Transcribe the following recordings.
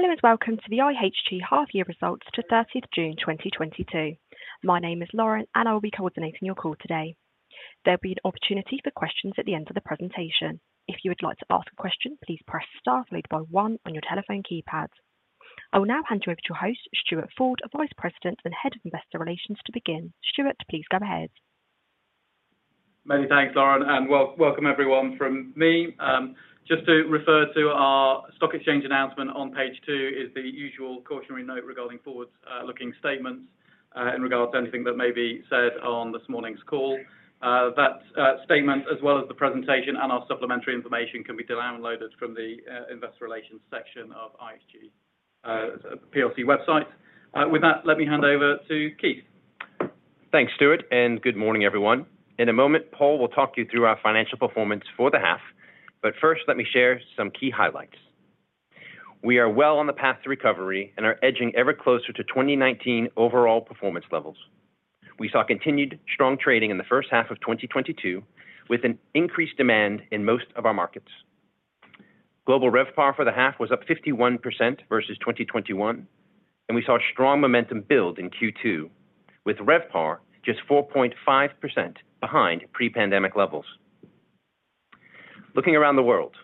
Hello, and welcome to the IHG half-year results to 30th June 2022. My name is Lauren, and I will be coordinating your call today. There'll be an opportunity for questions at the end of the presentation. If you would like to ask a question, please press star followed by one on your telephone keypads. I will now hand you over to your host, Stuart Ford, Vice President and Head of Investor Relations, to begin. Stuart, please go ahead. Many thanks, Lauren, and welcome everyone from me. Just to refer to our stock exchange announcement on page two is the usual cautionary note regarding forward-looking statements in regards to anything that may be said on this morning's call. That statement as well as the presentation and our supplementary information can be downloaded from the investor relations section of IHG PLC website. With that, let me hand over to Keith. Thanks, Stuart, and good morning, everyone. In a moment, Paul will talk you through our financial performance for the half, but first, let me share some key highlights. We are well on the path to recovery and are edging ever closer to 2019 overall performance levels. We saw continued strong trading in the first half of 2022, with an increased demand in most of our markets. Global RevPAR for the half was up 51% versus 2021, and we saw strong momentum build in Q2, with RevPAR just 4.5% behind pre-pandemic levels. Looking around the world,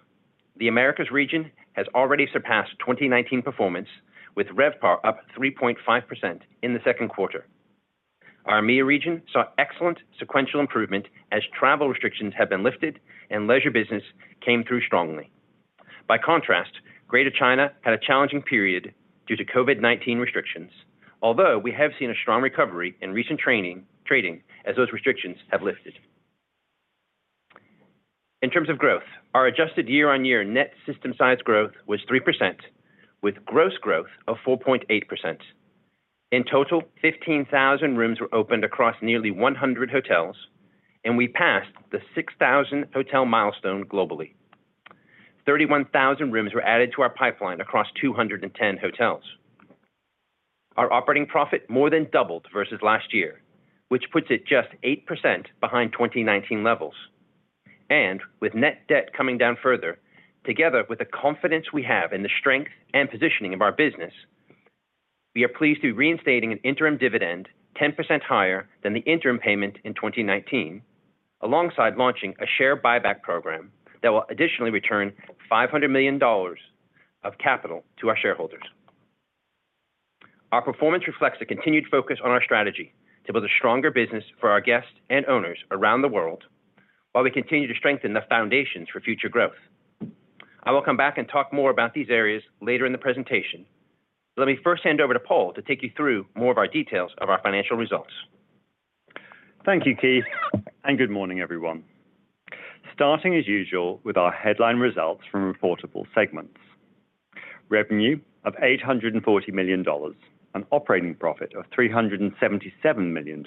the Americas region has already surpassed 2019 performance, with RevPAR up 3.5% in the second quarter. Our EMEAA region saw excellent sequential improvement as travel restrictions have been lifted and leisure business came through strongly. By contrast, Greater China had a challenging period due to COVID-19 restrictions. Although we have seen a strong recovery in recent trading as those restrictions have lifted. In terms of growth, our adjusted year-on-year net system size growth was 3%, with gross growth of 4.8%. In total, 15,000 rooms were opened across nearly 100 hotels, and we passed the 6,000-hotel milestone globally. 31,000 rooms were added to our pipeline across 210 hotels. Our operating profit more than doubled versus last year, which puts it just 8% behind 2019 levels. With net debt coming down further, together with the confidence we have in the strength and positioning of our business, we are pleased to be reinstating an interim dividend 10% higher than the interim payment in 2019, alongside launching a share buyback program that will additionally return $500 million of capital to our shareholders. Our performance reflects a continued focus on our strategy to build a stronger business for our guests and owners around the world while we continue to strengthen the foundations for future growth. I will come back and talk more about these areas later in the presentation. Let me first hand over to Paul to take you through more of our details of our financial results. Thank you, Keith, and good morning, everyone. Starting as usual with our headline results from reportable segments. Revenue of $840 million, an operating profit of $377 million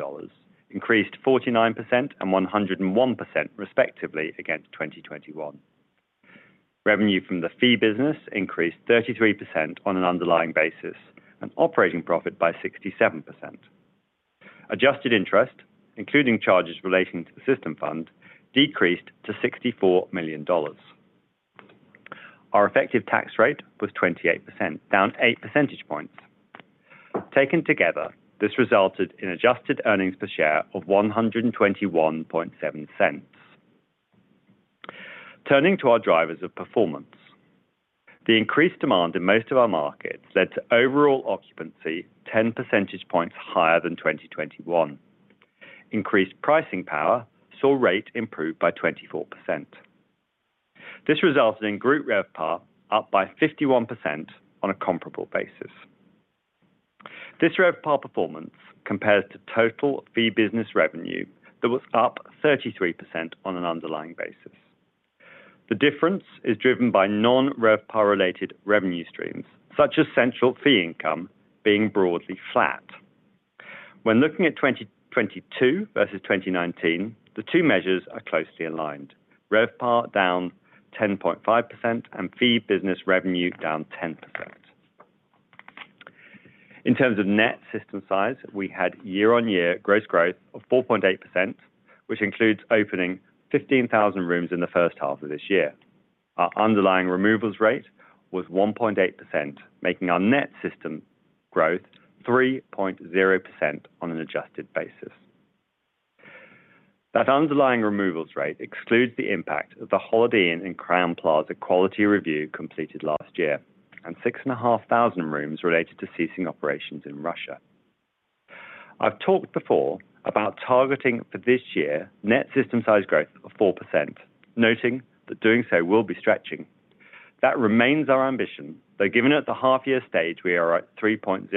increased 49% and 101% respectively against 2021. Revenue from the fee business increased 33% on an underlying basis, and operating profit by 67%. Adjusted interest, including charges relating to the system fund, decreased to $64 million. Our effective tax rate was 28%, down eight percentage points. Taken together, this resulted in adjusted earnings per share of $1.217. Turning to our drivers of performance, the increased demand in most of our markets led to overall occupancy ten percentage points higher than 2021. Increased pricing power saw rate improve by 24%. This resulted in group RevPAR up by 51% on a comparable basis. This RevPAR performance compares to total fee business revenue that was up 33% on an underlying basis. The difference is driven by non-RevPAR related revenue streams, such as central fee income being broadly flat. When looking at 2022 versus 2019, the two measures are closely aligned. RevPAR down 10.5% and fee business revenue down 10%. In terms of net system size, we had year-on-year gross growth of 4.8%, which includes opening 15,000 rooms in the first half of this year. Our underlying removals rate was 1.8%, making our net system growth 3.0% on an adjusted basis. That underlying removals rate excludes the impact of the Holiday Inn and Crowne Plaza quality review completed last year, and 6,500 rooms related to ceasing operations in Russia. I've talked before about targeting for this year net system size growth of 4%, noting that doing so will be stretching. That remains our ambition, though given at the half year stage we are at 3.0%,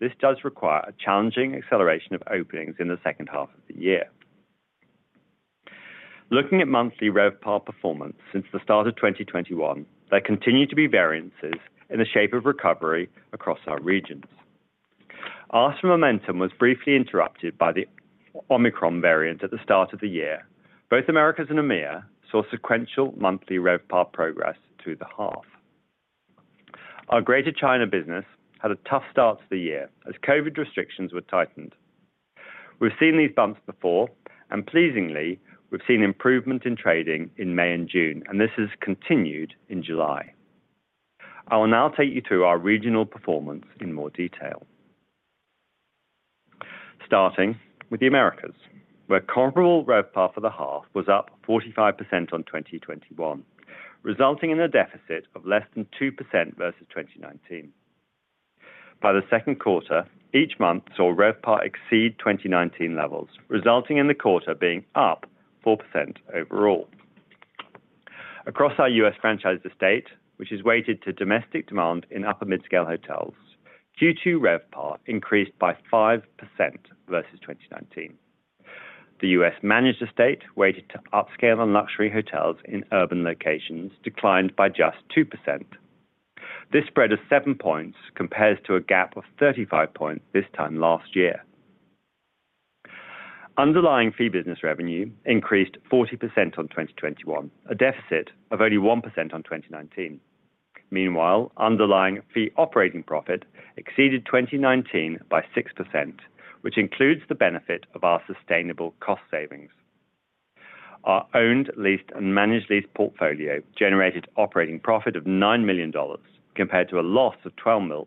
this does require a challenging acceleration of openings in the second half of the year. Looking at monthly RevPAR performance since the start of 2021, there continue to be variances in the shape of recovery across our regions. After momentum was briefly interrupted by the Omicron variant at the start of the year, both Americas and EMEAA saw sequential monthly RevPAR progress to the half. Our Greater China business had a tough start to the year as COVID-19 restrictions were tightened. We've seen these bumps before, and pleasingly, we've seen improvement in trading in May and June, and this has continued in July. I will now take you through our regional performance in more detail. Starting with the Americas, where comparable RevPAR for the half was up 45% on 2021, resulting in a deficit of less than 2% versus 2019. By the second quarter, each month saw RevPAR exceed 2019 levels, resulting in the quarter being up 4% overall. Across our U.S. franchise estate, which is weighted to domestic demand in upper mid-scale hotels, Q2 RevPAR increased by 5% versus 2019. The U.S. managed estate, weighted to upscale and luxury hotels in urban locations, declined by just 2%. This spread of 7 points compares to a gap of 35 points this time last year. Underlying fee business revenue increased 40% on 2021, a deficit of only 1% on 2019. Meanwhile, underlying fee operating profit exceeded 2019 by 6%, which includes the benefit of our sustainable cost savings. Our owned, leased, and managed lease portfolio generated operating profit of $9 million compared to a loss of $12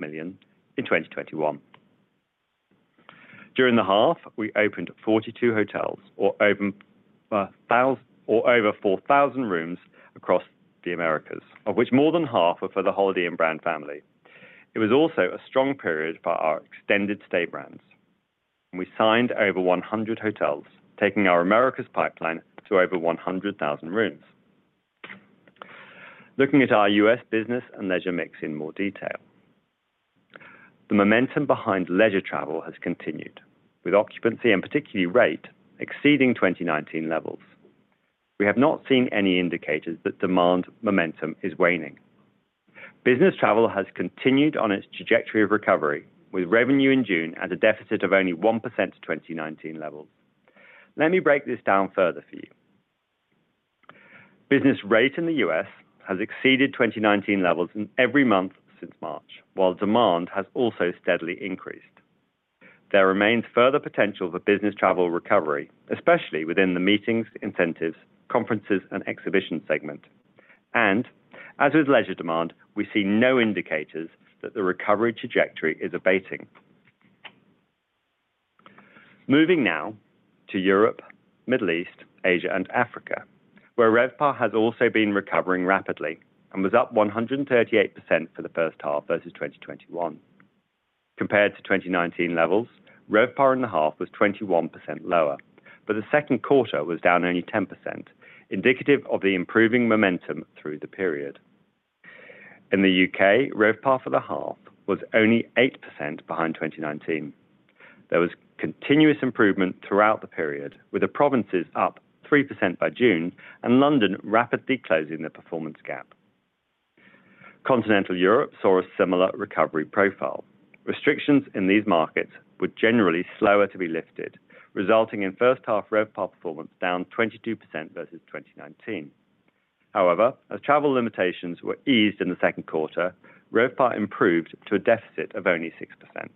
million in 2021. During the half, we opened 42 hotels or over 4,000 rooms across the Americas, of which more than half were for the Holiday Inn brand family. It was also a strong period for our extended stay brands. We signed over 100 hotels, taking our Americas pipeline to over 100,000 rooms. Looking at our U.S. business and leisure mix in more detail. The momentum behind leisure travel has continued, with occupancy and particularly rate exceeding 2019 levels. We have not seen any indicators that demand momentum is waning. Business travel has continued on its trajectory of recovery, with revenue in June at a deficit of only 1% to 2019 levels. Let me break this down further for you. Business rate in the U.S. has exceeded 2019 levels in every month since March, while demand has also steadily increased. There remains further potential for business travel recovery, especially within the meetings, incentives, conferences and exhibitions segment. As with leisure demand, we see no indicators that the recovery trajectory is abating. Moving now to Europe, Middle East, Asia, and Africa, where RevPAR has also been recovering rapidly and was up 138% for the first half versus 2021. Compared to 2019 levels, RevPAR in the half was 21% lower, but the second quarter was down only 10%, indicative of the improving momentum through the period. In the U.K., RevPAR for the half was only 8% behind 2019. There was continuous improvement throughout the period, with the provinces up 3% by June and London rapidly closing the performance gap. Continental Europe saw a similar recovery profile. Restrictions in these markets were generally slower to be lifted, resulting in first half RevPAR performance down 22% versus 2019. However, as travel limitations were eased in the second quarter, RevPAR improved to a deficit of only 6%.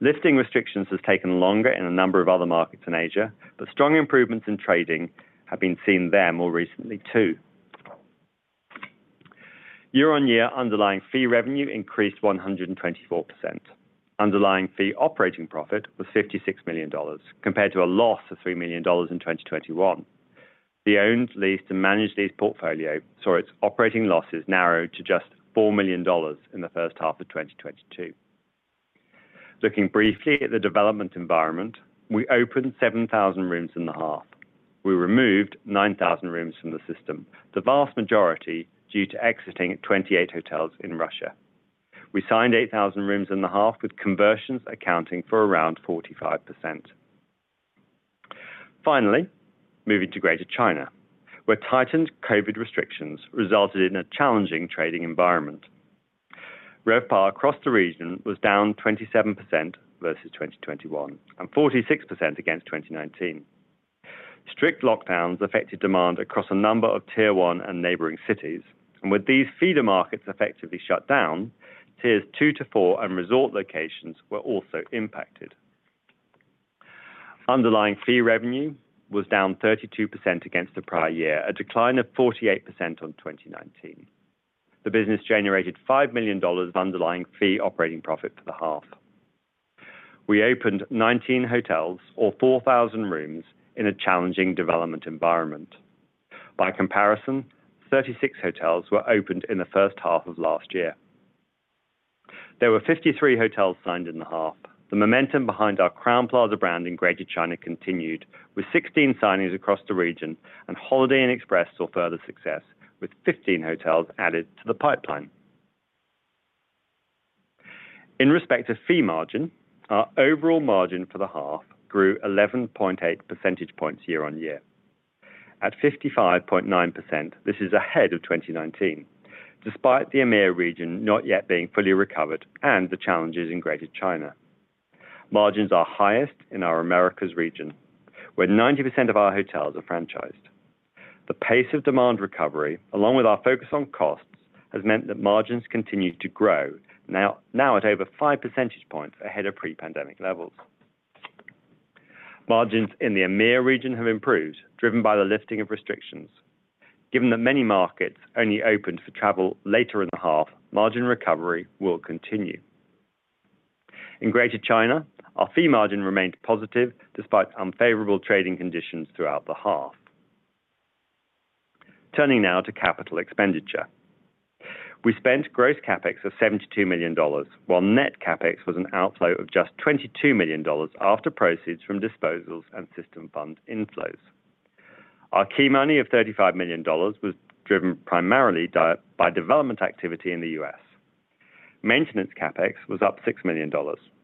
Lifting restrictions has taken longer in a number of other markets in Asia, but strong improvements in trading have been seen there more recently too. Year-on-year underlying fee revenue increased 124%. Underlying fee operating profit was $56 million compared to a loss of $3 million in 2021. The owned, leased, and managed lease portfolio saw its operating losses narrow to just $4 million in the first half of 2022. Looking briefly at the development environment, we opened 7,000 rooms in the half. We removed 9,000 rooms from the system, the vast majority due to exiting 28 hotels in Russia. We signed 8,000 rooms in the half, with conversions accounting for around 45%. Finally, moving to Greater China, where tightened COVID restrictions resulted in a challenging trading environment. RevPAR across the region was down 27% versus 2021 and 46% against 2019. Strict lockdowns affected demand across a number of tier one and neighboring cities, and with these feeder markets effectively shut down, tiers two to four and resort locations were also impacted. Underlying fee revenue was down 32% against the prior year, a decline of 48% on 2019. The business generated $5 million of underlying fee operating profit for the half. We opened 19 hotels or 4,000 rooms in a challenging development environment. By comparison, 36 hotels were opened in the first half of last year. There were 53 hotels signed in the half. The momentum behind our Crowne Plaza brand in Greater China continued with 16 signings across the region, and Holiday Inn Express saw further success, with 15 hotels added to the pipeline. In respect to fee margin, our overall margin for the half grew 11.8 percentage points year on year. At 55.9%, this is ahead of 2019, despite the EMEAA region not yet being fully recovered and the challenges in Greater China. Margins are highest in our Americas region, where 90% of our hotels are franchised. The pace of demand recovery, along with our focus on costs, has meant that margins continue to grow, now at over five percentage points ahead of pre-pandemic levels. Margins in the EMEAA region have improved, driven by the lifting of restrictions. Given that many markets only opened for travel later in the half, margin recovery will continue. In Greater China, our fee margin remained positive despite unfavorable trading conditions throughout the half. Turning now to capital expenditure. We spent gross CapEx of $72 million, while net CapEx was an outflow of just $22 million after proceeds from disposals and system fund inflows. Our key money of $35 million was driven primarily by development activity in the U.S. Maintenance CapEx was up $6 million,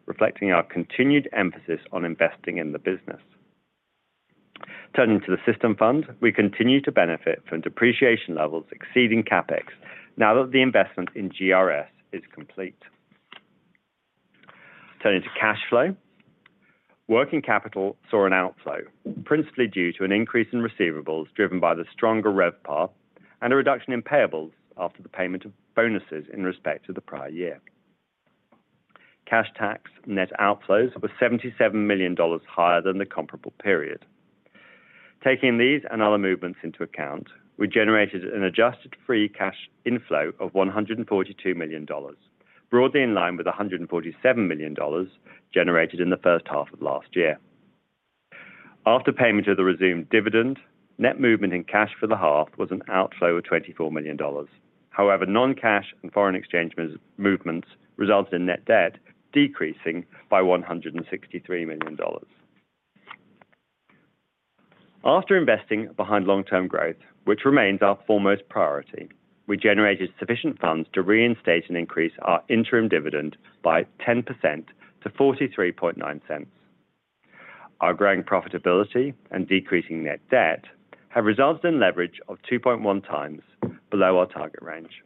reflecting our continued emphasis on investing in the business. Turning to the system fund, we continue to benefit from depreciation levels exceeding CapEx now that the investment in GRS is complete. Turning to cash flow. Working capital saw an outflow, principally due to an increase in receivables driven by the stronger RevPAR and a reduction in payables after the payment of bonuses in respect to the prior year. Cash tax net outflows were $77 million higher than the comparable period. Taking these and other movements into account, we generated an adjusted free cash inflow of $142 million, broadly in line with the $147 million generated in the first half of last year. After payment of the resumed dividend, net movement in cash for the half was an outflow of $24 million. However, non-cash and foreign exchange movements resulted in net debt decreasing by $163 million. After investing behind long-term growth, which remains our foremost priority, we generated sufficient funds to reinstate and increase our interim dividend by 10% to $0.439. Our growing profitability and decreasing net debt have resulted in leverage of 2.1x below our target range.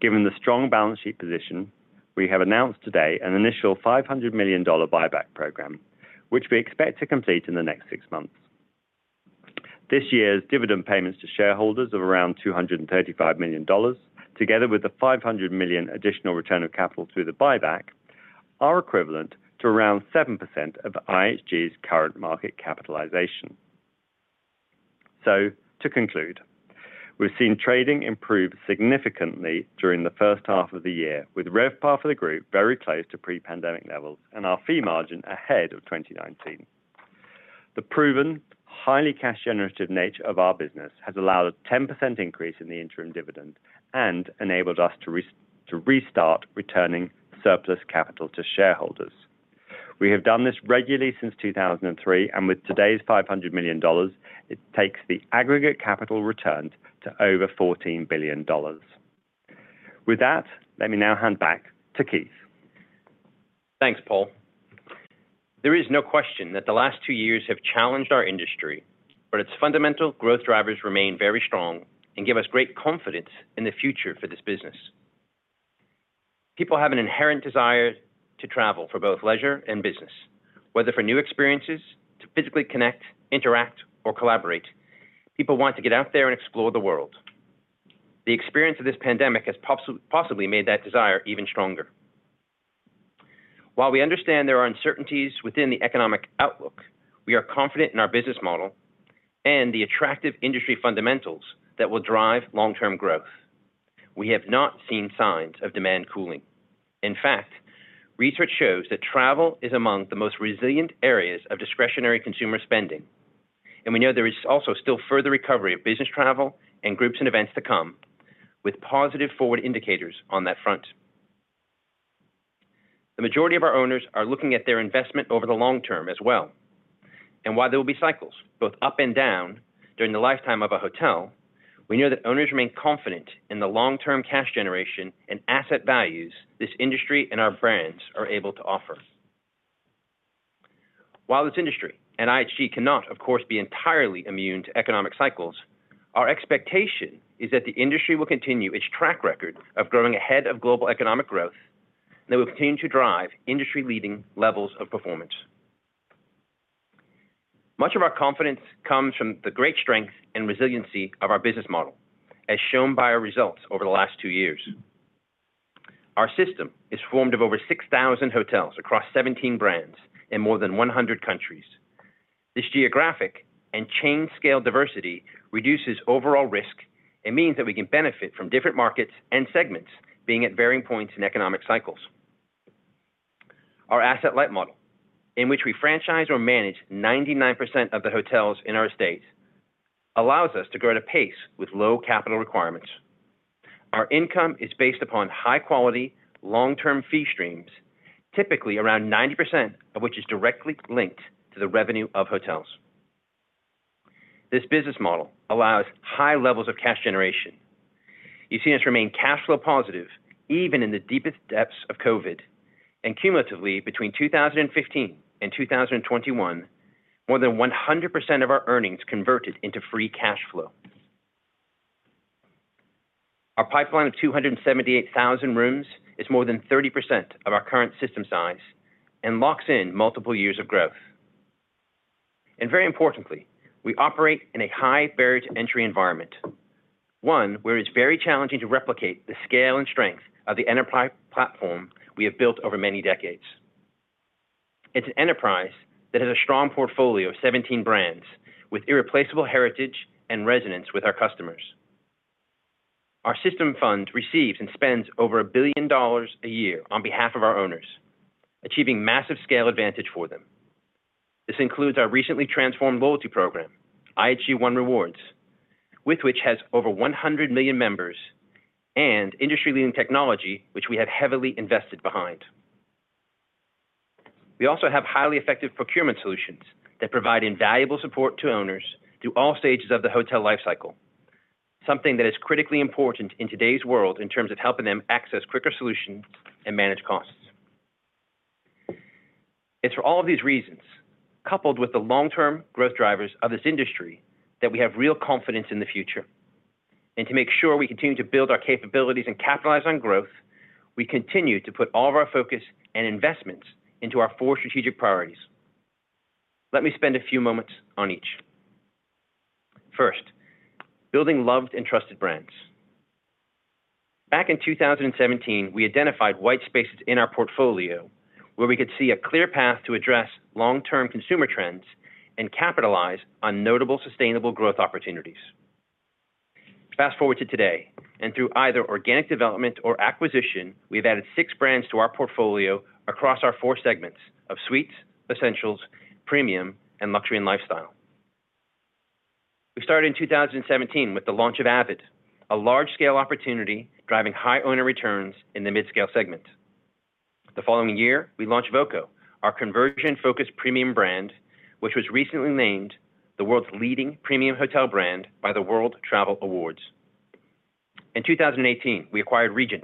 Given the strong balance sheet position, we have announced today an initial $500 million buyback program, which we expect to complete in the next 6 months. This year's dividend payments to shareholders of around $235 million, together with the $500 million additional return of capital through the buyback, are equivalent to around 7% of IHG's current market capitalization. To conclude, we've seen trading improve significantly during the first half of the year with RevPAR for the group very close to pre-pandemic levels and our fee margin ahead of 2019. The proven highly cash generative nature of our business has allowed a 10% increase in the interim dividend and enabled us to restart returning surplus capital to shareholders. We have done this regularly since 2003, and with today's $500 million, it takes the aggregate capital returned to over $14 billion. With that, let me now hand back to Keith. Thanks, Paul. There is no question that the last two years have challenged our industry, but its fundamental growth drivers remain very strong and give us great confidence in the future for this business. People have an inherent desire to travel for both leisure and business, whether for new experiences, to physically connect, interact, or collaborate. People want to get out there and explore the world. The experience of this pandemic has possibly made that desire even stronger. While we understand there are uncertainties within the economic outlook, we are confident in our business model and the attractive industry fundamentals that will drive long-term growth. We have not seen signs of demand cooling. In fact, research shows that travel is among the most resilient areas of discretionary consumer spending, and we know there is also still further recovery of business travel and groups and events to come with positive forward indicators on that front. The majority of our owners are looking at their investment over the long term as well, and while there will be cycles both up and down during the lifetime of a hotel, we know that owners remain confident in the long-term cash generation and asset values this industry and our brands are able to offer. While this industry and IHG cannot, of course, be entirely immune to economic cycles, our expectation is that the industry will continue its track record of growing ahead of global economic growth, and that we continue to drive industry-leading levels of performance. Much of our confidence comes from the great strength and resiliency of our business model, as shown by our results over the last two years. Our system is formed of over 6,000 hotels across 17 brands in more than 100 countries. This geographic and chain scale diversity reduces overall risk and means that we can benefit from different markets and segments being at varying points in economic cycles. Our asset-light model, in which we franchise or manage 99% of the hotels in our estate, allows us to grow at a pace with low capital requirements. Our income is based upon high quality, long-term fee streams, typically around 90% of which is directly linked to the revenue of hotels. This business model allows high levels of cash generation. You've seen us remain cash flow positive even in the deepest depths of COVID-19, and cumulatively, between 2015 and 2021, more than 100% of our earnings converted into free cash flow. Our pipeline of 278,000 rooms is more than 30% of our current system size and locks in multiple years of growth. Very importantly, we operate in a high barrier to entry environment. One, where it's very challenging to replicate the scale and strength of the enterprise platform we have built over many decades. It's an enterprise that has a strong portfolio of 17 brands with irreplaceable heritage and resonance with our customers. Our system fund receives and spends over $1 billion a year on behalf of our owners, achieving massive scale advantage for them. This includes our recently transformed loyalty program, IHG One Rewards, with which has over 100 million members and industry-leading technology, which we have heavily invested behind. We also have highly effective procurement solutions that provide invaluable support to owners through all stages of the hotel lifecycle. Something that is critically important in today's world in terms of helping them access quicker solutions and manage costs. It's for all of these reasons, coupled with the long-term growth drivers of this industry, that we have real confidence in the future. To make sure we continue to build our capabilities and capitalize on growth, we continue to put all of our focus and investments into our four strategic priorities. Let me spend a few moments on each. First, building loved and trusted brands. Back in 2017, we identified white spaces in our portfolio where we could see a clear path to address long-term consumer trends and capitalize on notable sustainable growth opportunities. Fast-forward to today, and through either organic development or acquisition, we've added six brands to our portfolio across our four segments of suites, essentials, premium, and luxury and lifestyle. We started in 2017 with the launch of avid, a large-scale opportunity driving high owner returns in the midscale segment. The following year, we launched voco, our conversion-focused premium brand, which was recently named the world's leading premium hotel brand by the World Travel Awards. In 2018, we acquired Regent,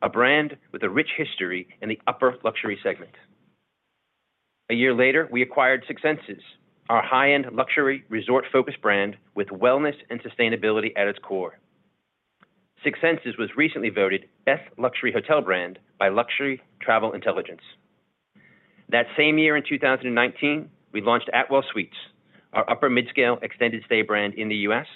a brand with a rich history in the upper luxury segment. A year later, we acquired Six Senses, our high-end luxury resort-focused brand with wellness and sustainability at its core. Six Senses was recently voted best luxury hotel brand by Luxury Travel Intelligence. That same year in 2019, we launched Atwell Suites, our upper midscale extended stay brand in the U.S.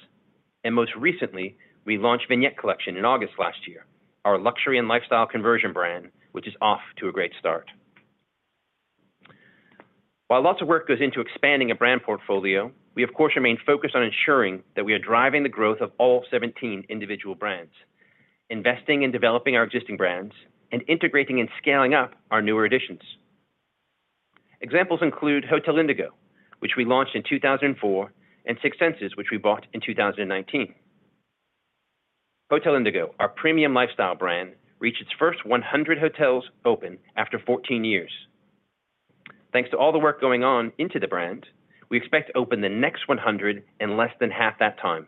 Most recently, we launched Vignette Collection in August last year, our luxury and lifestyle conversion brand, which is off to a great start. While lots of work goes into expanding a brand portfolio, we of course remain focused on ensuring that we are driving the growth of all 17 individual brands, investing in developing our existing brands, and integrating and scaling up our newer additions. Examples include Hotel Indigo, which we launched in 2004, and Six Senses, which we bought in 2019. Hotel Indigo, our premium lifestyle brand, reached its first 100 hotels open after 14 years. Thanks to all the work going on into the brand, we expect to open the next 100 in less than half that time.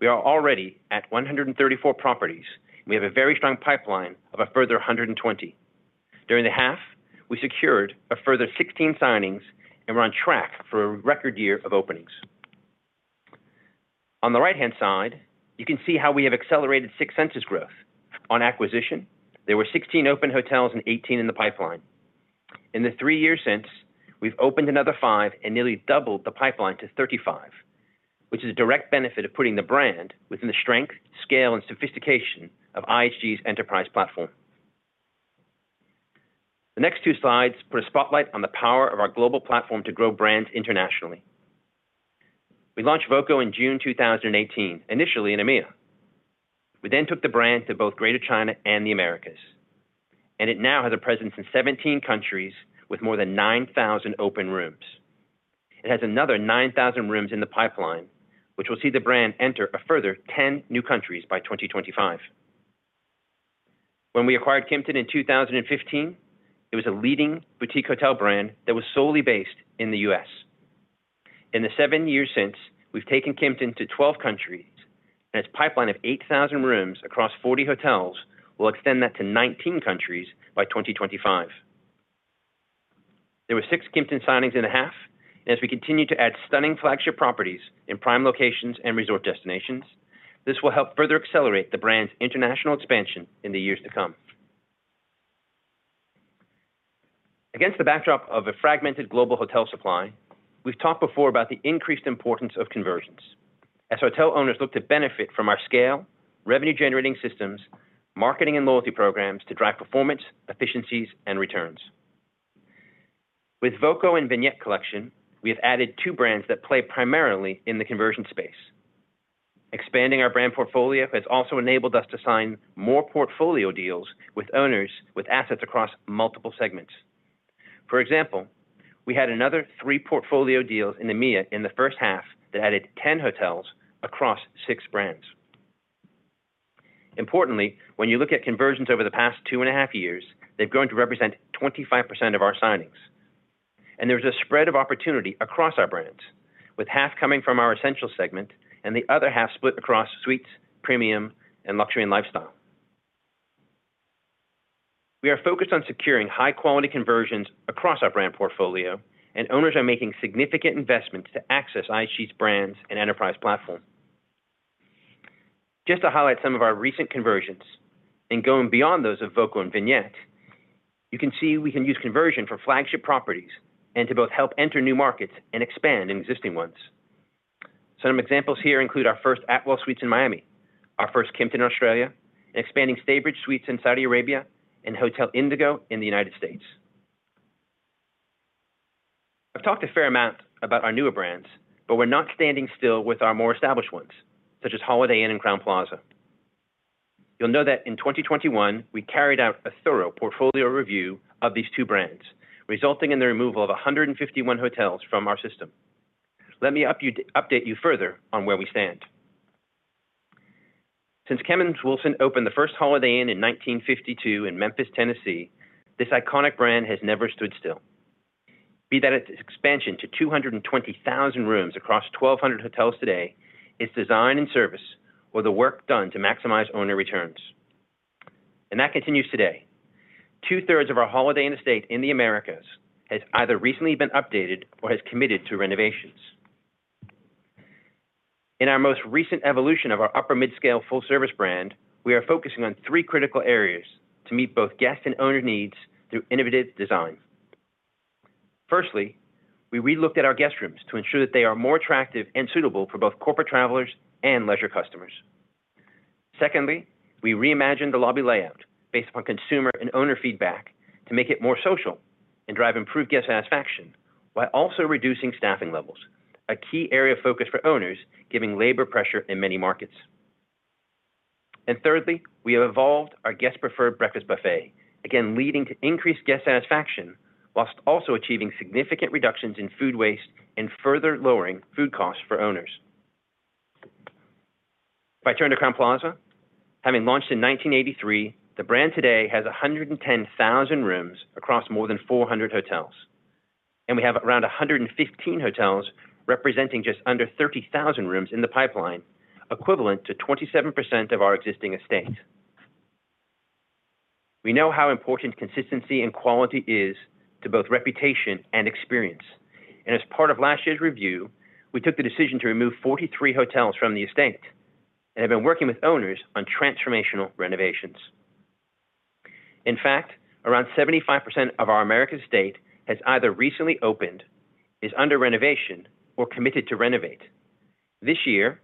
We are already at 134 properties, and we have a very strong pipeline of a further 120. During the half, we secured a further 16 signings and we're on track for a record year of openings. On the right-hand side, you can see how we have accelerated Six Senses growth. On acquisition, there were 16 open hotels and 18 in the pipeline. In the 3 years since, we've opened another 5 and nearly doubled the pipeline to 35, which is a direct benefit of putting the brand within the strength, scale, and sophistication of IHG's enterprise platform. The next two slides put a spotlight on the power of our global platform to grow brands internationally. We launched voco in June 2018, initially in EMEAA. We then took the brand to both Greater China and the Americas, and it now has a presence in 17 countries with more than 9,000 open rooms. It has another 9,000 rooms in the pipeline, which will see the brand enter a further 10 new countries by 2025. When we acquired Kimpton in 2015, it was a leading boutique hotel brand that was solely based in the U.S. In the seven years since, we've taken Kimpton to 12 countries, and its pipeline of 8,000 rooms across 40 hotels will extend that to 19 countries by 2025. There were six Kimpton signings in a half, and as we continue to add stunning flagship properties in prime locations and resort destinations, this will help further accelerate the brand's international expansion in the years to come. Against the backdrop of a fragmented global hotel supply, we've talked before about the increased importance of conversions as hotel owners look to benefit from our scale, revenue-generating systems, marketing and loyalty programs to drive performance, efficiencies, and returns. With voco and Vignette Collection, we have added two brands that play primarily in the conversion space. Expanding our brand portfolio has also enabled us to sign more portfolio deals with owners with assets across multiple segments. For example, we had another three portfolio deals in EMEAA in the first half that added 10 hotels across six brands. Importantly, when you look at conversions over the past two and a half years, they've grown to represent 25% of our signings. There's a spread of opportunity across our brands, with half coming from our essential segment and the other half split across suites, premium, and luxury and lifestyle. We are focused on securing high-quality conversions across our brand portfolio, and owners are making significant investments to access IHG's brands and enterprise platform. Just to highlight some of our recent conversions, and going beyond those of voco and Vignette, you can see we can use conversion for flagship properties and to both help enter new markets and expand in existing ones. Some examples here include our first Atwell Suites in Miami, our first Kimpton Australia, expanding Staybridge Suites in Saudi Arabia, and Hotel Indigo in the United States. I've talked a fair amount about our newer brands, but we're not standing still with our more established ones, such as Holiday Inn and Crowne Plaza. You'll know that in 2021, we carried out a thorough portfolio review of these two brands, resulting in the removal of 151 hotels from our system. Let me update you further on where we stand. Since Kemmons Wilson opened the first Holiday Inn in 1952 in Memphis, Tennessee, this iconic brand has never stood still. Be it its expansion to 220,000 rooms across 1,200 hotels today, its design and service or the work done to maximize owner returns. That continues today. Two-thirds of our Holiday Inn estate in the Americas has either recently been updated or has committed to renovations. In our most recent evolution of our upper mid-scale full service brand, we are focusing on three critical areas to meet both guest and owner needs through innovative design. Firstly, we relooked at our guest rooms to ensure that they are more attractive and suitable for both corporate travelers and leisure customers. Secondly, we reimagined the lobby layout based upon consumer and owner feedback to make it more social and drive improved guest satisfaction while also reducing staffing levels, a key area of focus for owners giving labor pressure in many markets. Thirdly, we have evolved our guest-preferred breakfast buffet, again, leading to increased guest satisfaction while also achieving significant reductions in food waste and further lowering food costs for owners. If I turn to Crowne Plaza, having launched in 1983, the brand today has 110,000 rooms across more than 400 hotels, and we have around 115 hotels representing just under 30,000 rooms in the pipeline, equivalent to 27% of our existing estate. We know how important consistency and quality is to both reputation and experience. As part of last year's review, we took the decision to remove 43 hotels from the estate and have been working with owners on transformational renovations. In fact, around 75% of our American estate has either recently opened, is under renovation or committed to renovate. This year,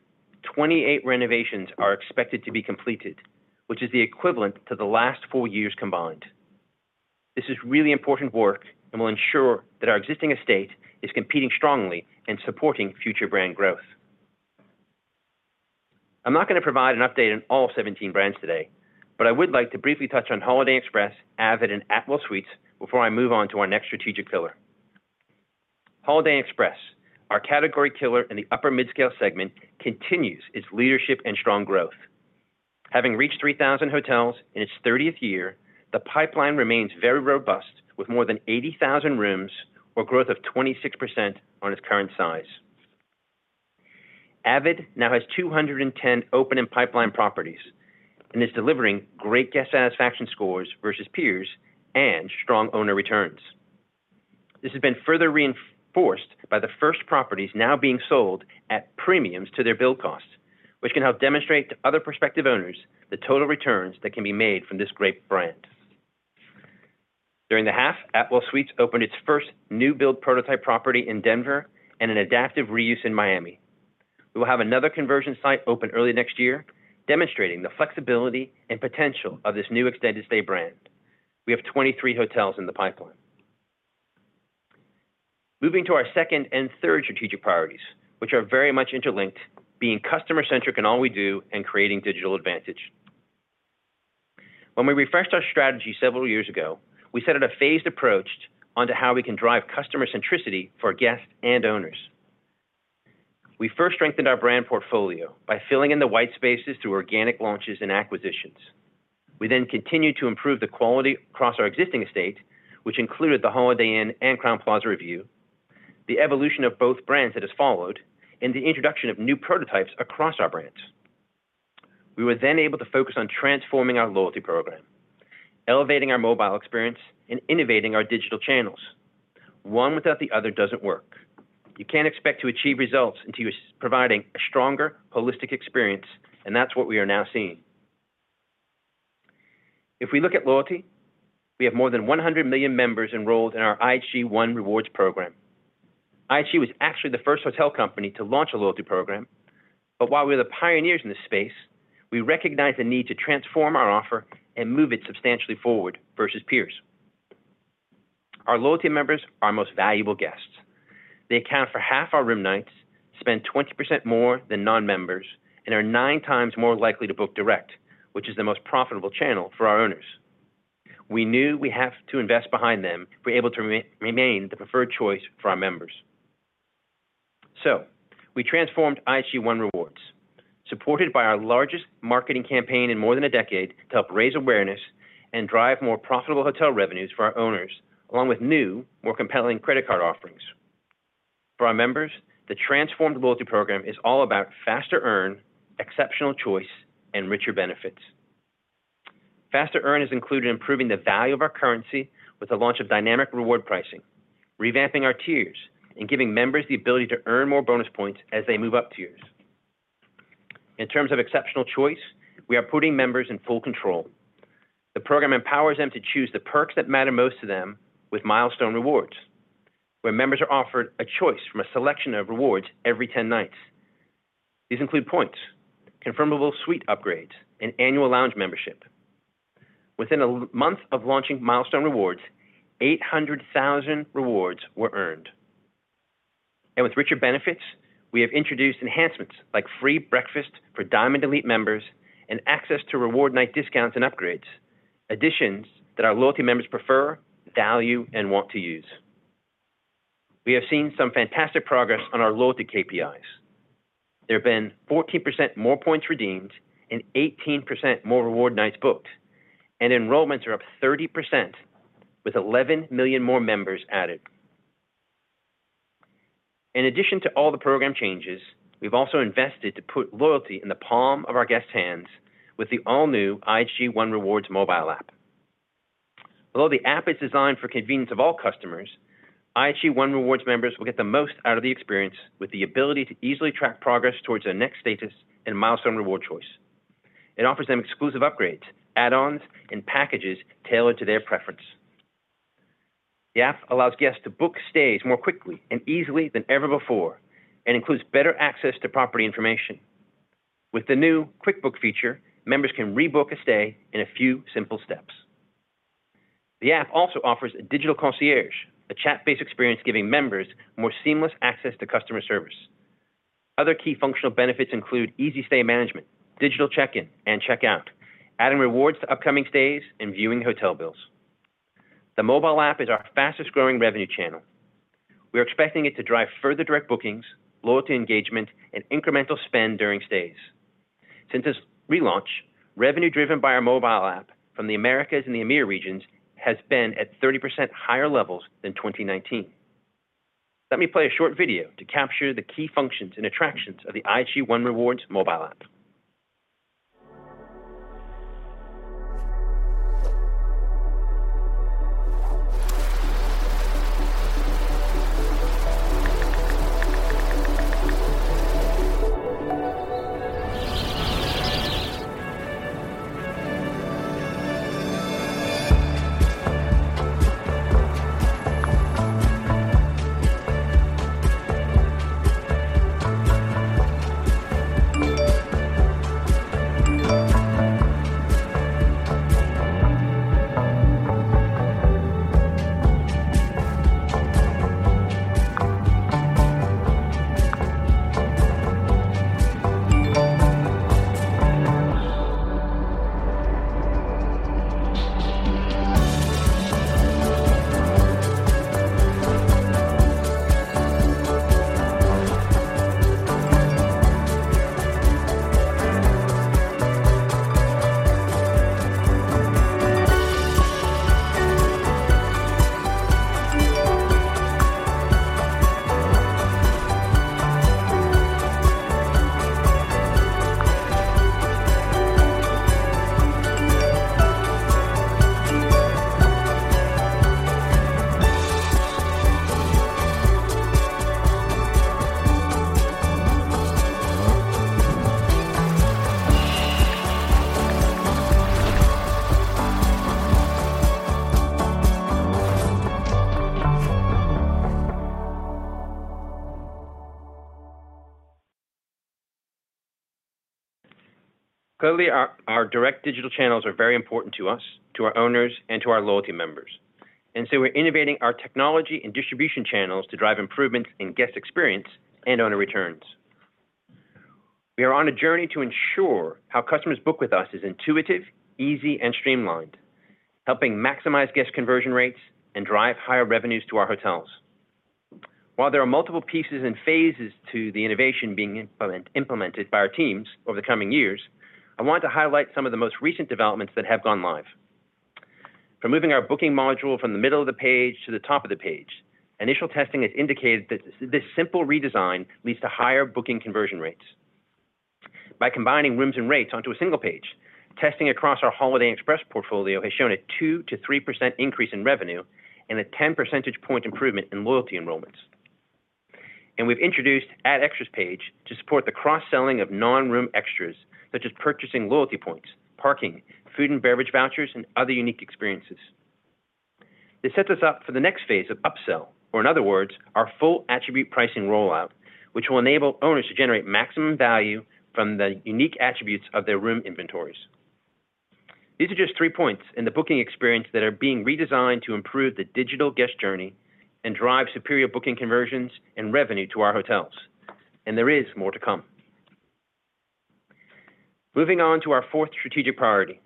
28 renovations are expected to be completed, which is the equivalent to the last four years combined. This is really important work and will ensure that our existing estate is competing strongly in supporting future brand growth. I'm not going to provide an update on all 17 brands today, but I would like to briefly touch on Holiday Inn Express, avid and Atwell Suites before I move on to our next strategic pillar. Holiday Inn Express, our category killer in the upper mid-scale segment, continues its leadership and strong growth. Having reached 3,000 hotels in its 30th year, the pipeline remains very robust with more than 80,000 rooms for growth of 26% on its current size. Avid now has 210 open and pipeline properties and is delivering great guest satisfaction scores versus peers and strong owner returns. This has been further reinforced by the first properties now being sold at premiums to their build costs, which can help demonstrate to other prospective owners the total returns that can be made from this great brand. During the half, Atwell Suites opened its first new build prototype property in Denver and an adaptive reuse in Miami. We will have another conversion site open early next year, demonstrating the flexibility and potential of this new extended stay brand. We have 23 hotels in the pipeline. Moving to our second and third strategic priorities, which are very much interlinked, being customer-centric in all we do and creating digital advantage. When we refreshed our strategy several years ago, we set a phased approach onto how we can drive customer centricity for guests and owners. We first strengthened our brand portfolio by filling in the white spaces through organic launches and acquisitions. We continued to improve the quality across our existing estate, which included the Holiday Inn and Crowne Plaza review, the evolution of both brands that has followed, and the introduction of new prototypes across our brands. We were able to focus on transforming our loyalty program, elevating our mobile experience, and innovating our digital channels. One without the other doesn't work. You can't expect to achieve results until you're providing a stronger holistic experience, and that's what we are now seeing. If we look at loyalty, we have more than 100 million members enrolled in our IHG One Rewards program. IHG was actually the first hotel company to launch a loyalty program, but while we're the pioneers in this space, we recognize the need to transform our offer and move it substantially forward versus peers. Our loyalty members are our most valuable guests. They account for half our room nights, spend 20% more than non-members, and are 9x more likely to book direct, which is the most profitable channel for our owners. We knew we have to invest behind them to be able to remain the preferred choice for our members. We transformed IHG One Rewards, supported by our largest marketing campaign in more than a decade to help raise awareness and drive more profitable hotel revenues for our owners, along with new, more compelling credit card offerings. For our members, the transformed loyalty program is all about faster earn, exceptional choice, and richer benefits. Faster earn is included in improving the value of our currency with the launch of dynamic reward pricing, revamping our tiers, and giving members the ability to earn more bonus points as they move up tiers. In terms of exceptional choice, we are putting members in full control. The program empowers them to choose the perks that matter most to them with milestone rewards, where members are offered a choice from a selection of rewards every 10 nights. These include points, confirmable suite upgrades, and annual lounge membership. Within one month of launching milestone rewards, 800,000 rewards were earned. With richer benefits, we have introduced enhancements like free breakfast for Diamond Elite members and access to reward night discounts and upgrades, additions that our loyalty members prefer, value, and want to use. We have seen some fantastic progress on our loyalty KPIs. There have been 14% more points redeemed and 18% more reward nights booked, and enrollments are up 30% with 11 million more members added. In addition to all the program changes, we've also invested to put loyalty in the palm of our guests' hands with the all-new IHG One Rewards mobile app. Although the app is designed for convenience of all customers, IHG One Rewards members will get the most out of the experience with the ability to easily track progress towards their next status and milestone reward choice. It offers them exclusive upgrades, add-ons, and packages tailored to their preference. The app allows guests to book stays more quickly and easily than ever before and includes better access to property information. With the new QuickBook feature, members can rebook a stay in a few simple steps. The app also offers a digital concierge, a chat-based experience giving members more seamless access to customer service. Other key functional benefits include easy stay management, digital check-in and check-out, adding rewards to upcoming stays, and viewing hotel bills. The mobile app is our fastest-growing revenue channel. We're expecting it to drive further direct bookings, loyalty engagement, and incremental spend during stays. Since its relaunch, revenue driven by our mobile app from the Americas and the EMEAA regions has been at 30% higher levels than 2019. Let me play a short video to capture the key functions and attractions of the IHG One Rewards mobile app. Clearly, our direct digital channels are very important to us, to our owners, and to our loyalty members. We're innovating our technology and distribution channels to drive improvements in guest experience and owner returns. We are on a journey to ensure how customers book with us is intuitive, easy, and streamlined, helping maximize guest conversion rates and drive higher revenues to our hotels. While there are multiple pieces and phases to the innovation being implemented by our teams over the coming years, I want to highlight some of the most recent developments that have gone live. From moving our booking module from the middle of the page to the top of the page, initial testing has indicated that this simple redesign leads to higher booking conversion rates. By combining rooms and rates onto a single page, testing across our Holiday Inn Express portfolio has shown a 2%-3% increase in revenue and a 10 percentage point improvement in loyalty enrollments. We've introduced Add Extras page to support the cross-selling of non-room extras, such as purchasing loyalty points, parking, food and beverage vouchers, and other unique experiences. This sets us up for the next phase of upsell, or in other words, our full attribute pricing rollout, which will enable owners to generate maximum value from the unique attributes of their room inventories. These are just three points in the booking experience that are being redesigned to improve the digital guest journey and drive superior booking conversions and revenue to our hotels. There is more to come. Moving on to our fourth strategic priority.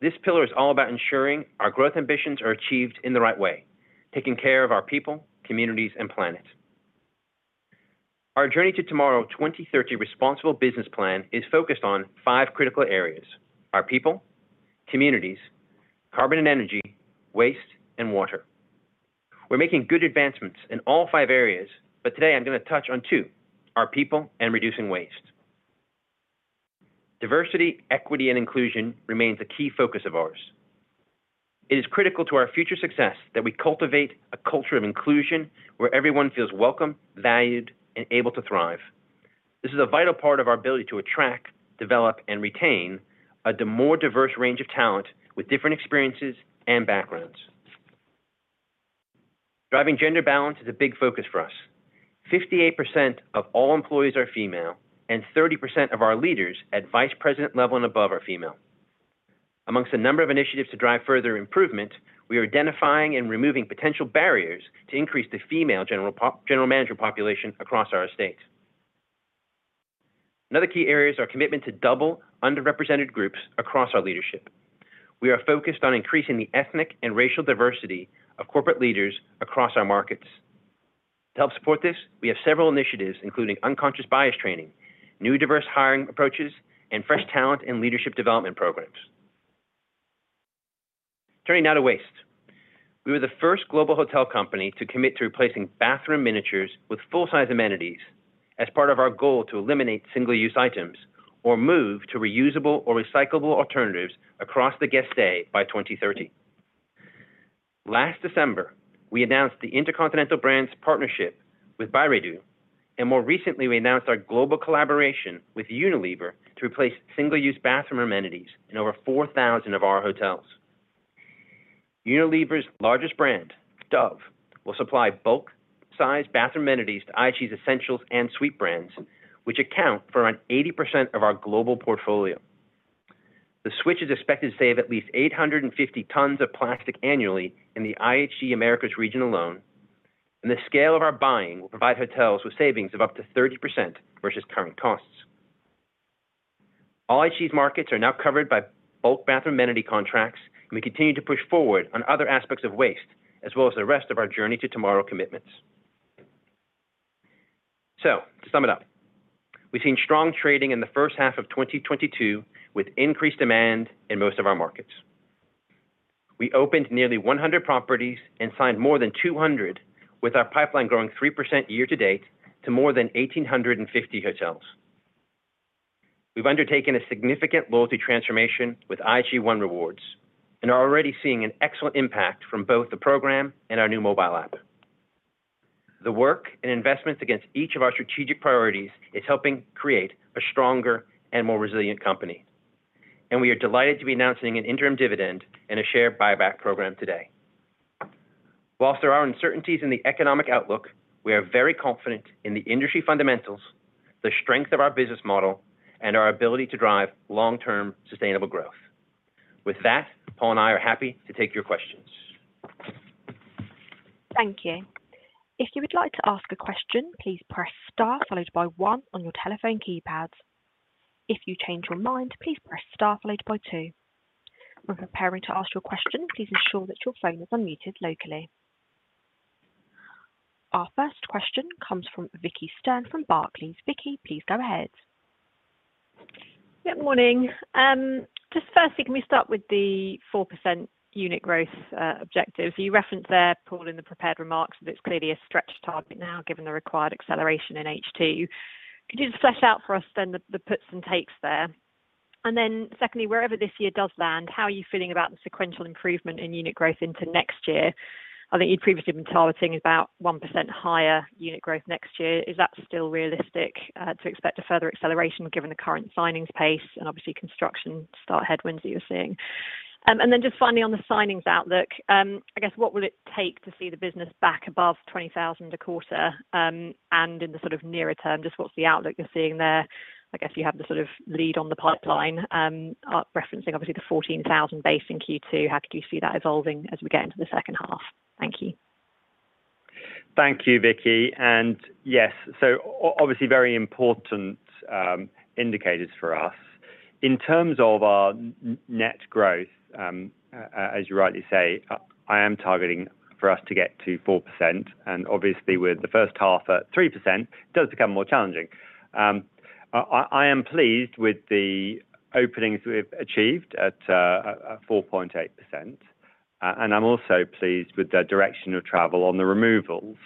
This pillar is all about ensuring our growth ambitions are achieved in the right way, taking care of our people, communities, and planet. Our Journey to Tomorrow 2030 Responsible Business Plan is focused on five critical areas, our people, communities, carbon and energy, waste, and water. We're making good advancements in all five areas, but today I'm gonna touch on two, our people and reducing waste. Diversity, equity, and inclusion remains a key focus of ours. It is critical to our future success that we cultivate a culture of inclusion where everyone feels welcome, valued, and able to thrive. This is a vital part of our ability to attract, develop, and retain a more diverse range of talent with different experiences and backgrounds. Driving gender balance is a big focus for us. 58% of all employees are female, and 30% of our leaders at vice president level and above are female. Among a number of initiatives to drive further improvement, we are identifying and removing potential barriers to increase the female general manager population across our estate. Another key area is our commitment to double underrepresented groups across our leadership. We are focused on increasing the ethnic and racial diversity of corporate leaders across our markets. To help support this, we have several initiatives, including unconscious bias training, new diverse hiring approaches, and fresh talent and leadership development programs. Turning now to waste. We were the first global hotel company to commit to replacing bathroom miniatures with full-size amenities as part of our goal to eliminate single-use items or move to reusable or recyclable alternatives across the guest stay by 2030. Last December, we announced the InterContinental brand's partnership with Byredo, and more recently, we announced our global collaboration with Unilever to replace single-use bathroom amenities in over 4,000 of our hotels. Unilever's largest brand, Dove, will supply bulk size bathroom amenities to IHG's essentials and suites brands, which account for around 80% of our global portfolio. The switch is expected to save at least 850 tons of plastic annually in the IHG Americas region alone, and the scale of our buying will provide hotels with savings of up to 30% versus current costs. All IHG markets are now covered by bulk bathroom amenity contracts, and we continue to push forward on other aspects of waste, as well as the rest of our Journey to Tomorrow commitments. To sum it up, we've seen strong trading in the first half of 2022 with increased demand in most of our markets. We opened nearly 100 properties and signed more than 200, with our pipeline growing 3% year to date to more than 1,850 hotels. We've undertaken a significant loyalty transformation with IHG One Rewards and are already seeing an excellent impact from both the program and our new mobile app. The work and investments against each of our strategic priorities is helping create a stronger and more resilient company, and we are delighted to be announcing an interim dividend and a share buyback program today. While there are uncertainties in the economic outlook, we are very confident in the industry fundamentals, the strength of our business model, and our ability to drive long-term sustainable growth. With that, Paul and I are happy to take your questions. Thank you. If you would like to ask a question, please press star followed by one on your telephone keypads. If you change your mind, please press star followed by two. When preparing to ask your question, please ensure that your phone is unmuted locally. Our first question comes from Vicki Stern from Barclays. Vicki, please go ahead. Good morning. Just firstly, can we start with the 4% unit growth objective? You referenced there, Paul, in the prepared remarks that it's clearly a stretch target now given the required acceleration in H2. Could you just flesh out for us then the puts and takes there? Secondly, wherever this year does land, how are you feeling about the sequential improvement in unit growth into next year? I think you'd previously been targeting about 1% higher unit growth next year. Is that still realistic to expect a further acceleration given the current signings pace and obviously construction start headwinds that you're seeing? Just finally on the signings outlook, I guess what will it take to see the business back above 20,000 a quarter, and in the sort of nearer term, just what's the outlook you're seeing there? I guess you have the sort of lead on the pipeline, referencing obviously the 14,000 base in Q2. How do you see that evolving as we get into the second half? Thank you. Thank you, Vicky. Obviously very important indicators for us. In terms of our net growth, as you rightly say, I am targeting for us to get to 4%, and obviously with the first half at 3%, it does become more challenging. I am pleased with the openings we've achieved at 4.8%, and I'm also pleased with the direction of travel on the removals.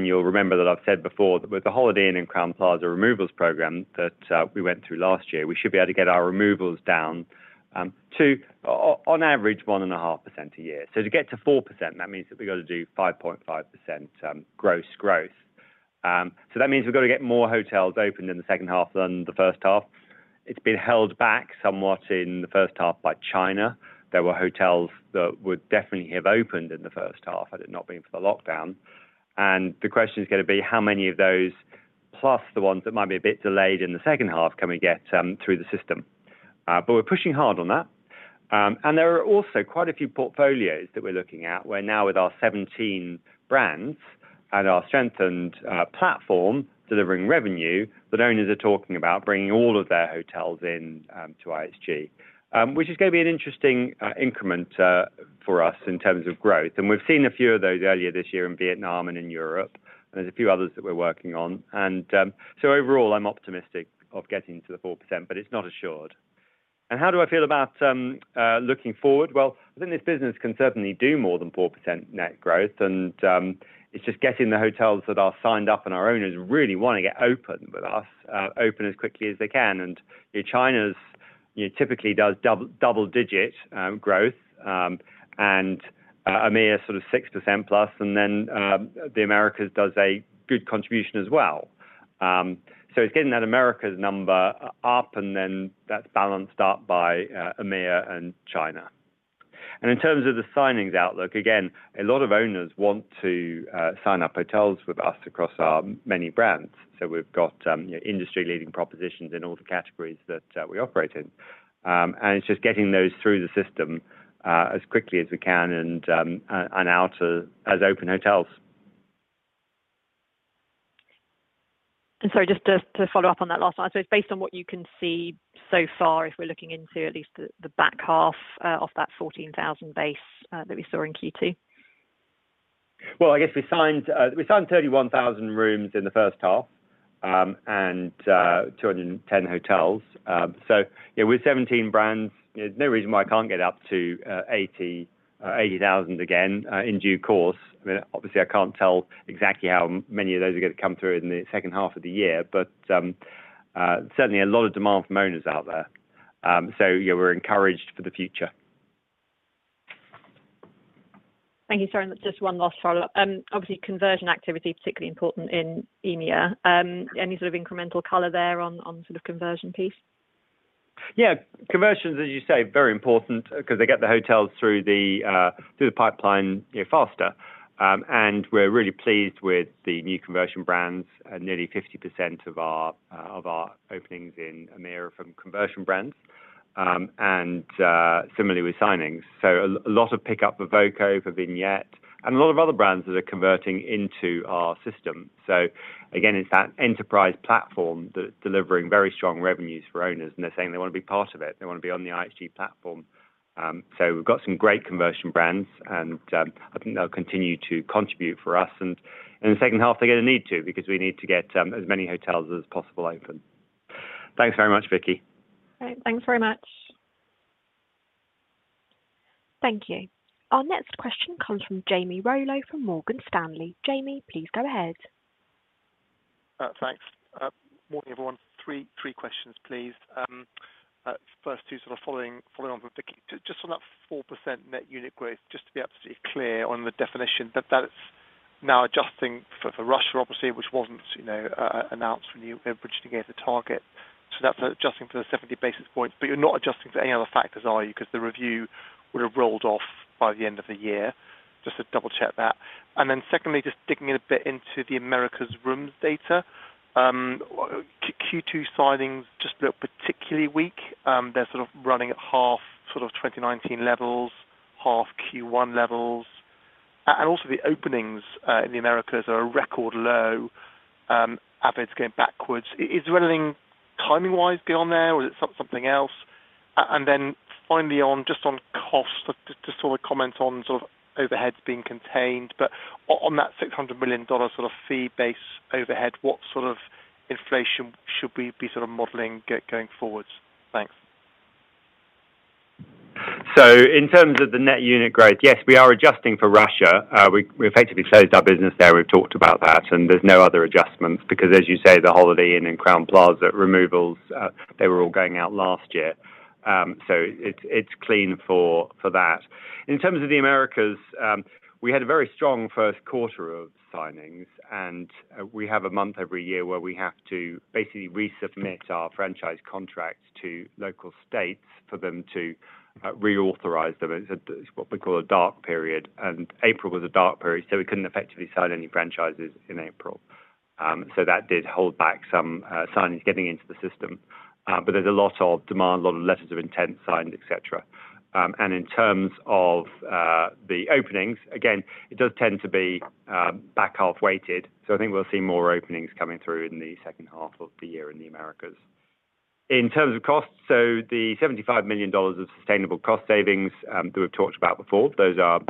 You'll remember that I've said before that with the Holiday Inn and Crowne Plaza removals program that we went through last year, we should be able to get our removals down, on average, 1.5% a year. To get to 4%, that means that we've got to do 5.5% gross growth. That means we've got to get more hotels opened in the second half than the first half. It's been held back somewhat in the first half by China. There were hotels that would definitely have opened in the first half had it not been for the lockdown. The question is gonna be, how many of those, plus the ones that might be a bit delayed in the second half, can we get through the system? We're pushing hard on that. There are also quite a few portfolios that we're looking at, where now with our 17 brands and our strengthened platform delivering revenue, that owners are talking about bringing all of their hotels into IHG. which is gonna be an interesting increment for us in terms of growth. We've seen a few of those earlier this year in Vietnam and in Europe, and there's a few others that we're working on. Overall, I'm optimistic of getting to the 4%, but it's not assured. How do I feel about looking forward? Well, I think this business can certainly do more than 4% net growth, and it's just getting the hotels that are signed up, and our owners really want to get open with us, open as quickly as they can. China's, you know, typically does double-digit growth, and EMEA sort of 6%+, and then the Americas does a good contribution as well. So it's getting that Americas number up and then that's balanced up by EMEA and China. In terms of the signings outlook, again, a lot of owners want to sign up hotels with us across our many brands. We've got industry-leading propositions in all the categories that we operate in. It's just getting those through the system as quickly as we can and out as open hotels. Sorry, just to follow up on that last one. It's based on what you can see so far, if we're looking into at least the back half of that 14,000 base that we saw in Q2. Well, I guess we signed 31,000 rooms in the first half, and 210 hotels. Yeah, with 17 brands, you know, there's no reason why I can't get up to 80,000 again in due course. I mean, obviously, I can't tell exactly how many of those are gonna come through in the second half of the year, but certainly a lot of demand from owners out there. You know, we're encouraged for the future. Thank you. Sorry, and just one last follow-up. Obviously, conversion activity, particularly important in EMEA. Any sort of incremental color there on sort of conversion piece? Yeah. Conversions, as you say, very important because they get the hotels through the pipeline, you know, faster. We're really pleased with the new conversion brands. Nearly 50% of our openings in EMEAA are from conversion brands, and similarly with signings. A lot of pick up for voco, for Vignette, and a lot of other brands that are converting into our system. Again, it's that enterprise platform that's delivering very strong revenues for owners, and they're saying they want to be part of it. They want to be on the IHG platform. We've got some great conversion brands, and I think they'll continue to contribute for us. In the second half, they're gonna need to because we need to get as many hotels as possible open. Thanks very much, Vicki. All right. Thanks very much. Thank you. Our next question comes from Jamie Rollo from Morgan Stanley. Jamie, please go ahead. Thanks. Morning, everyone. Three questions, please. First two sort of following on from Vicky. Just on that 4% net unit growth, just to be absolutely clear on the definition that that's now adjusting for Russia, obviously, which wasn't, you know, announced when you originally gave the target. So that's adjusting for the 70 basis points, but you're not adjusting for any other factors, are you? Because the review would have rolled off by the end of the year. Just to double-check that. Secondly, just digging in a bit into the Americas rooms data. Q2 signings just look particularly weak. They're sort of running at half sort of 2019 levels, half Q1 levels. Also the openings in the Americas are a record low. Avid's going backwards. Is there anything timing-wise going on there or is it something else? Then finally on, just on cost, just sort of comment on sort of overheads being contained, but on that $600 million sort of fee-based overhead, what sort of inflation should we be sort of modeling going forward? Thanks. In terms of the net unit growth, yes, we are adjusting for Russia. We effectively closed our business there. We've talked about that, and there's no other adjustments because as you say, the Holiday Inn and Crowne Plaza removals, they were all going out last year. It's clean for that. In terms of the Americas, we had a very strong first quarter of signings, and we have a month every year where we have to basically resubmit our franchise contracts to local states for them to reauthorize them. It's what we call a dark period. April was a dark period, so we couldn't effectively sign any franchises in April. That did hold back some signings getting into the system. There's a lot of demand, a lot of letters of intent signed, et cetera. In terms of the openings, again, it does tend to be back half-weighted, so I think we'll see more openings coming through in the second half of the year in the Americas. In terms of costs, the $75 million of sustainable cost savings that we've talked about before, those are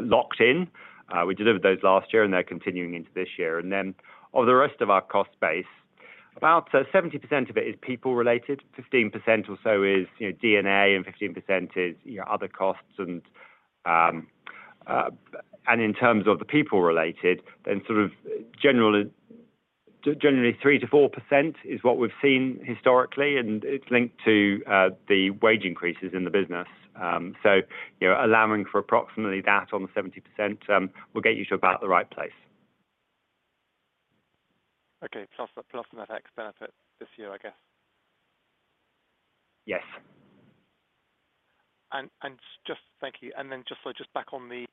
locked in. We delivered those last year, and they're continuing into this year. Then of the rest of our cost base, about 70% of it is people-related, 15% or so is, you know, D&A and 15% is, you know, other costs. In terms of the people-related, then sort of generally 3%-4% is what we've seen historically, and it's linked to the wage increases in the business. You know, allowing for approximately that on the 70% will get you to about the right place. Okay. Plus plus net FX benefit this year, I guess. Yes. Thank you. Back on the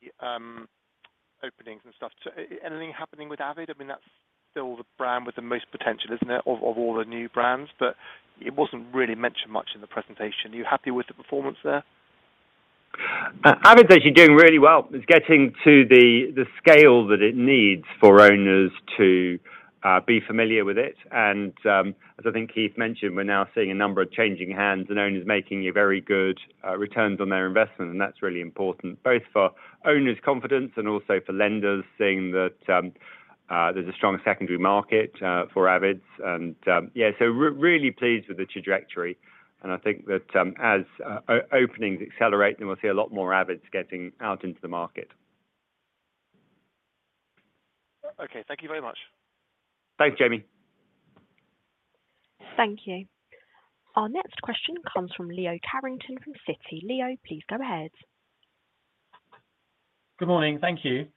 openings and stuff. Anything happening with avid? I mean, that's still the brand with the most potential, isn't it, of all the new brands, but it wasn't really mentioned much in the presentation. Are you happy with the performance there? Avid's actually doing really well. It's getting to the scale that it needs for owners to be familiar with it. As I think Keith mentioned, we're now seeing a number of changing hands and owners making, you know, very good returns on their investment. That's really important both for owners' confidence and also for lenders seeing that. There's a strong secondary market for avids. Yeah, really pleased with the trajectory. I think that as openings accelerate, then we'll see a lot more avids getting out into the market. Okay. Thank you very much. Thanks, Jamie. Thank you. Our next question comes from Leo Carrington from Citi. Leo, please go ahead. Good morning. Thank you.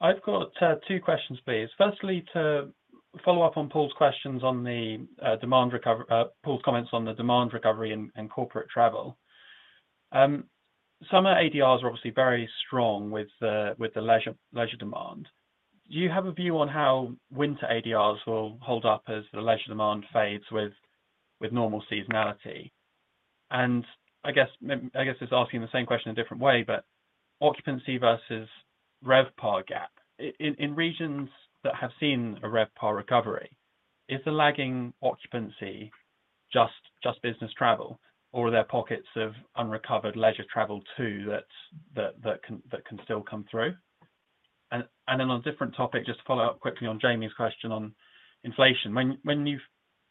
I've got two questions, please. Firstly, to follow up on Paul's comments on the demand recovery and corporate travel. Summer ADRs are obviously very strong with the leisure demand. Do you have a view on how winter ADRs will hold up as the leisure demand fades with normal seasonality? I guess it's asking the same question a different way, but occupancy versus RevPAR gap. In regions that have seen a RevPAR recovery, is the lagging occupancy just business travel or are there pockets of unrecovered leisure travel too that can still come through? On a different topic, just to follow up quickly on Jamie's question on inflation. When you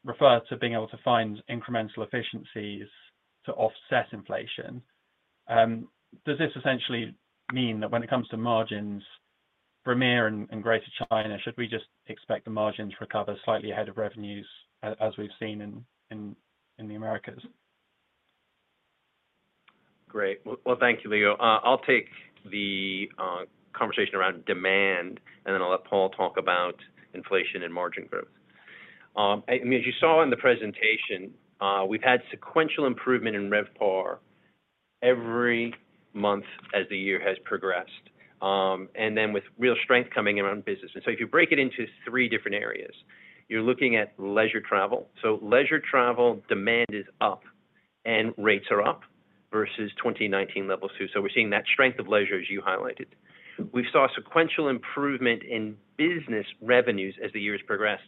refer to being able to find incremental efficiencies to offset inflation, does this essentially mean that when it comes to margins, EMEAA and Greater China, should we just expect the margins recover slightly ahead of revenues as we've seen in the Americas? Great. Well, thank you, Leo. I'll take the conversation around demand, and then I'll let Paul talk about inflation and margin growth. I mean, as you saw in the presentation, we've had sequential improvement in RevPAR every month as the year has progressed. Then with real strength coming in around business. If you break it into three different areas, you're looking at leisure travel. Leisure travel demand is up and rates are up versus 2019 levels too. We're seeing that strength of leisure as you highlighted. We saw sequential improvement in business revenues as the years progressed.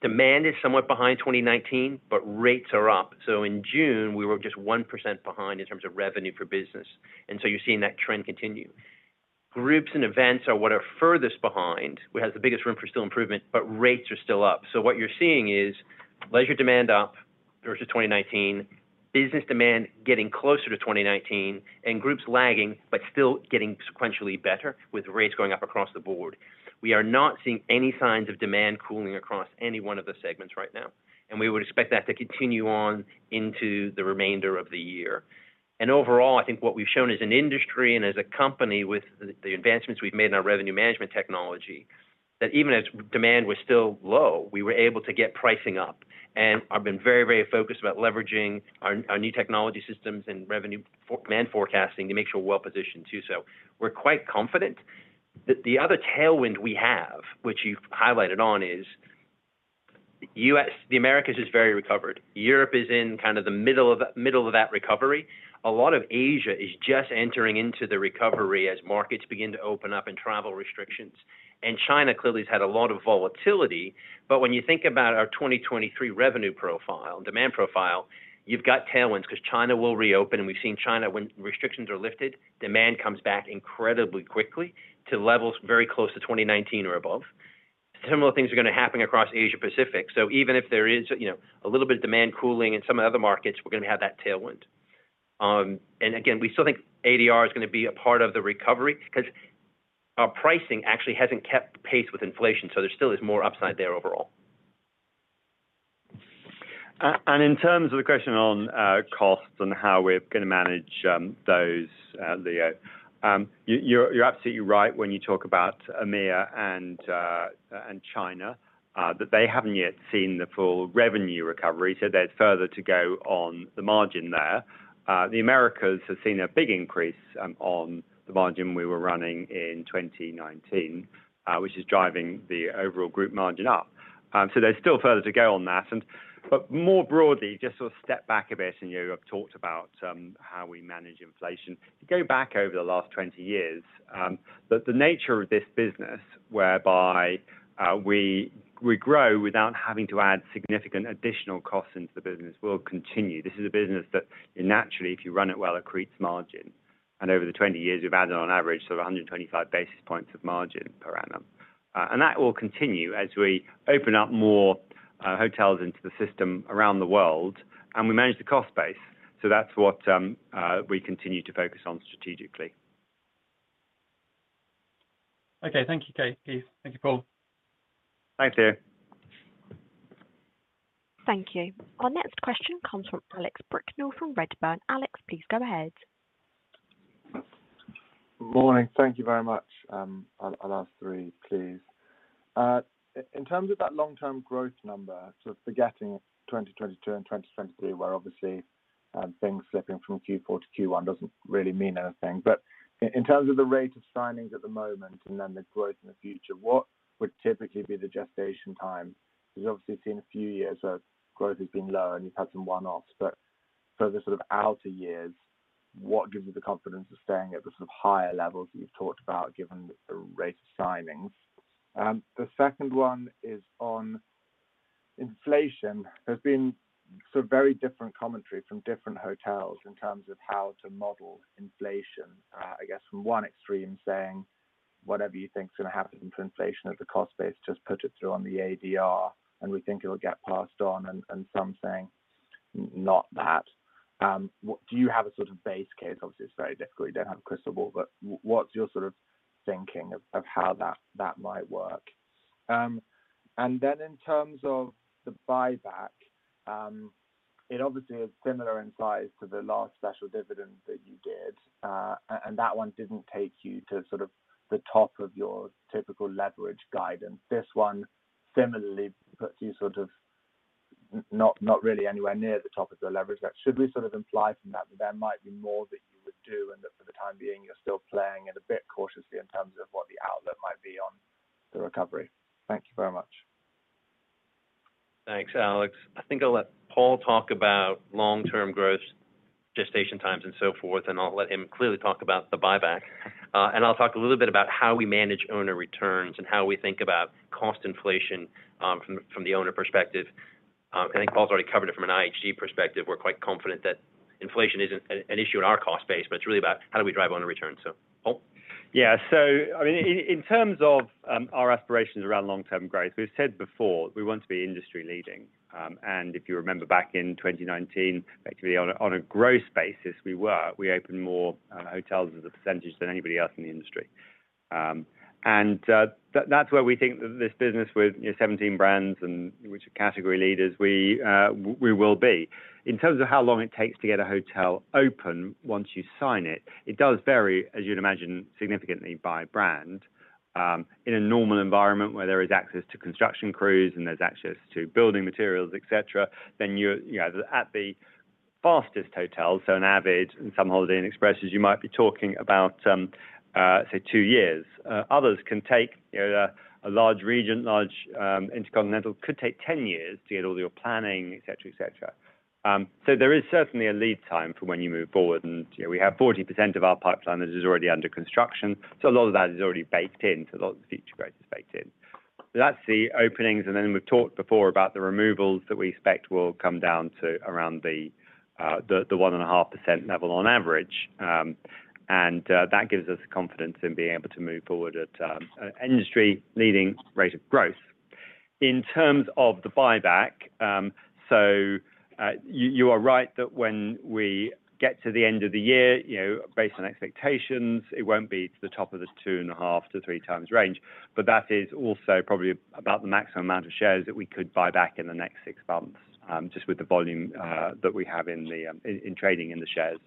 Demand is somewhat behind 2019, but rates are up. In June, we were just 1% behind in terms of revenue for business. You're seeing that trend continue. Groups and events are what are furthest behind. We have the biggest room for still improvement, but rates are still up. What you're seeing is leisure demand up versus 2019, business demand getting closer to 2019 and groups lagging, but still getting sequentially better with rates going up across the board. We are not seeing any signs of demand cooling across any one of the segments right now, and we would expect that to continue on into the remainder of the year. Overall, I think what we've shown as an industry and as a company with the advancements we've made in our revenue management technology, that even as demand was still low, we were able to get pricing up. I've been very, very focused about leveraging our new technology systems and revenue demand forecasting to make sure we're well positioned too. We're quite confident. The other tailwind we have, which you've highlighted on, is the Americas is very recovered. Europe is in kind of the middle of that recovery. A lot of Asia is just entering into the recovery as markets begin to open up and travel restrictions. China clearly has had a lot of volatility. When you think about our 2023 revenue profile, demand profile, you've got tailwinds because China will reopen. We've seen China, when restrictions are lifted, demand comes back incredibly quickly to levels very close to 2019 or above. Similar things are going to happen across Asia Pacific. Even if there is, you know, a little bit of demand cooling in some of the other markets, we're going to have that tailwind. Again, we still think ADR is going to be a part of the recovery because our pricing actually hasn't kept pace with inflation, so there still is more upside there overall. In terms of the question on costs and how we're gonna manage those, Leo, you're absolutely right when you talk about EMEAA and China, that they haven't yet seen the full revenue recovery, so there's further to go on the margin there. The Americas has seen a big increase on the margin we were running in 2019, which is driving the overall group margin up. So there's still further to go on that. More broadly, just sort of step back a bit and you have talked about how we manage inflation. If you go back over the last 20 years, the nature of this business whereby we grow without having to add significant additional costs into the business will continue. This is a business that naturally, if you run it well, accretes margin. Over the 20 years, we've added on average sort of 125 basis points of margin per annum. That will continue as we open up more hotels into the system around the world and we manage the cost base. That's what we continue to focus on strategically. Okay. Thank you, Keith. Thank you, Paul. Thank you. Thank you. Our next question comes from Alex Brignall from Redburn. Alex, please go ahead. Morning. Thank you very much. I'll ask three, please. In terms of that long-term growth number, sort of forgetting 2022 and 2023, where obviously, things slipping from Q4 to Q1 doesn't really mean anything. In terms of the rate of signings at the moment and then the growth in the future, what would typically be the gestation time? Because obviously seen a few years of growth has been low and you've had some one-offs. For the sort of outer years, what gives you the confidence of staying at the sort of higher levels you've talked about given the rate of signings? The second one is on inflation has been so very different commentary from different hotels in terms of how to model inflation. I guess from one extreme saying whatever you think's gonna happen to inflation as a cost base, just put it through on the ADR, and we think it'll get passed on and some saying not that. Do you have a sort of base case? Obviously, it's very difficult. You don't have a crystal ball, but what's your sort of thinking of how that might work? In terms of the buyback, it obviously is similar in size to the last special dividend that you did. That one didn't take you to sort of the top of your typical leverage guidance. This one similarly puts you sort of not really anywhere near the top of the leverage. Should we sort of imply from that there might be more that you would do, and that for the time being, you're still playing it a bit cautiously in terms of what the upside might be on the recovery? Thank you very much. Thanks, Alex. I think I'll let Paul talk about long-term growth, gestation times, and so forth, and I'll let him clearly talk about the buyback. I'll talk a little bit about how we manage owner returns and how we think about cost inflation from the owner perspective. I think Paul's already covered it from an IHG perspective. We're quite confident that inflation isn't an issue in our cost base, but it's really about how do we drive owner return. Paul? Yeah. I mean, in terms of our aspirations around long-term growth, we've said before, we want to be industry-leading. If you remember back in 2019, actually, on a growth basis, we were. We opened more hotels as a percentage than anybody else in the industry. That's where we think this business with, you know, 17 brands and which are category leaders, we will be. In terms of how long it takes to get a hotel open once you sign it does vary, as you'd imagine, significantly by brand. In a normal environment where there is access to construction crews and there's access to building materials, et cetera, then you're, you know, at the fastest hotels, so an avid and some Holiday Inn Expresses, you might be talking about, say two years. Others can take, you know, a large Regent, large InterContinental could take 10 years to get all your planning, et cetera, et cetera. There is certainly a lead time for when you move forward, and, you know, we have 40% of our pipeline that is already under construction. A lot of that is already baked in, so a lot of the future growth is baked in. That's the openings, and then we've talked before about the removals that we expect will come down to around the 1.5% level on average. That gives us confidence in being able to move forward at an industry-leading rate of growth. In terms of the buyback, you are right that when we get to the end of the year, you know, based on expectations, it won't be to the top of the 2.5x-3.0x range, but that is also probably about the maximum amount of shares that we could buy back in the next six months, just with the volume that we have in the trading in the shares.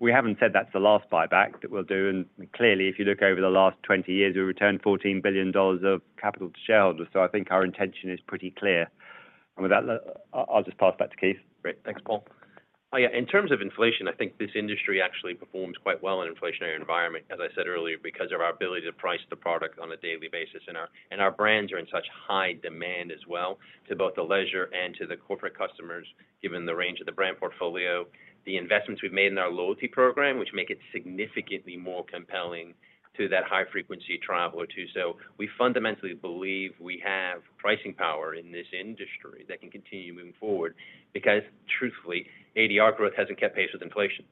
We haven't said that's the last buyback that we'll do, and clearly, if you look over the last 20 years, we returned $14 billion of capital to shareholders. I think our intention is pretty clear. With that, I'll just pass it back to Keith. Great. Thanks, Paul. Oh, yeah, in terms of inflation, I think this industry actually performs quite well in an inflationary environment, as I said earlier, because of our ability to price the product on a daily basis, and our brands are in such high demand as well to both the leisure and to the corporate customers, given the range of the brand portfolio. The investments we've made in our loyalty program, which make it significantly more compelling to that high-frequency traveler too. We fundamentally believe we have pricing power in this industry that can continue moving forward because truthfully, ADR growth hasn't kept pace with inflation.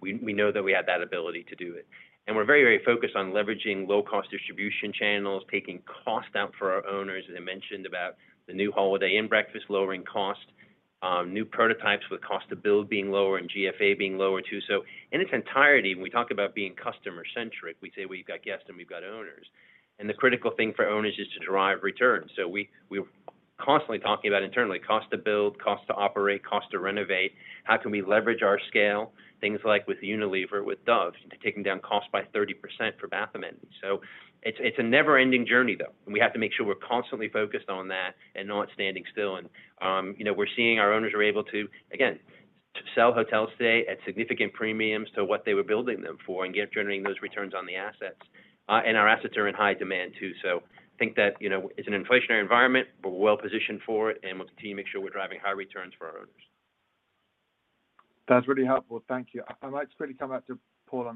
We know that we have that ability to do it. We're very, very focused on leveraging low-cost distribution channels, taking cost out for our owners, as I mentioned, about the new Holiday Inn breakfast lowering costs, new prototypes with cost to build being lower and GFA being lower, too. In its entirety, when we talk about being customer-centric, we say we've got guests and we've got owners, and the critical thing for owners is to derive returns. We're constantly talking about internally cost to build, cost to operate, cost to renovate, how can we leverage our scale, things like with Unilever, with Dove, taking down costs by 30% for bath amenities. It's a never-ending journey, though, and we have to make sure we're constantly focused on that and not standing still. You know, we're seeing our owners are able to again sell hotels today at significant premiums to what they were building them for and generate those returns on the assets. Our assets are in high demand, too. I think that, you know, it's an inflationary environment, but we're well positioned for it, and we'll continue to make sure we're driving high returns for our owners. That's really helpful. Thank you. I might quickly come back to Paul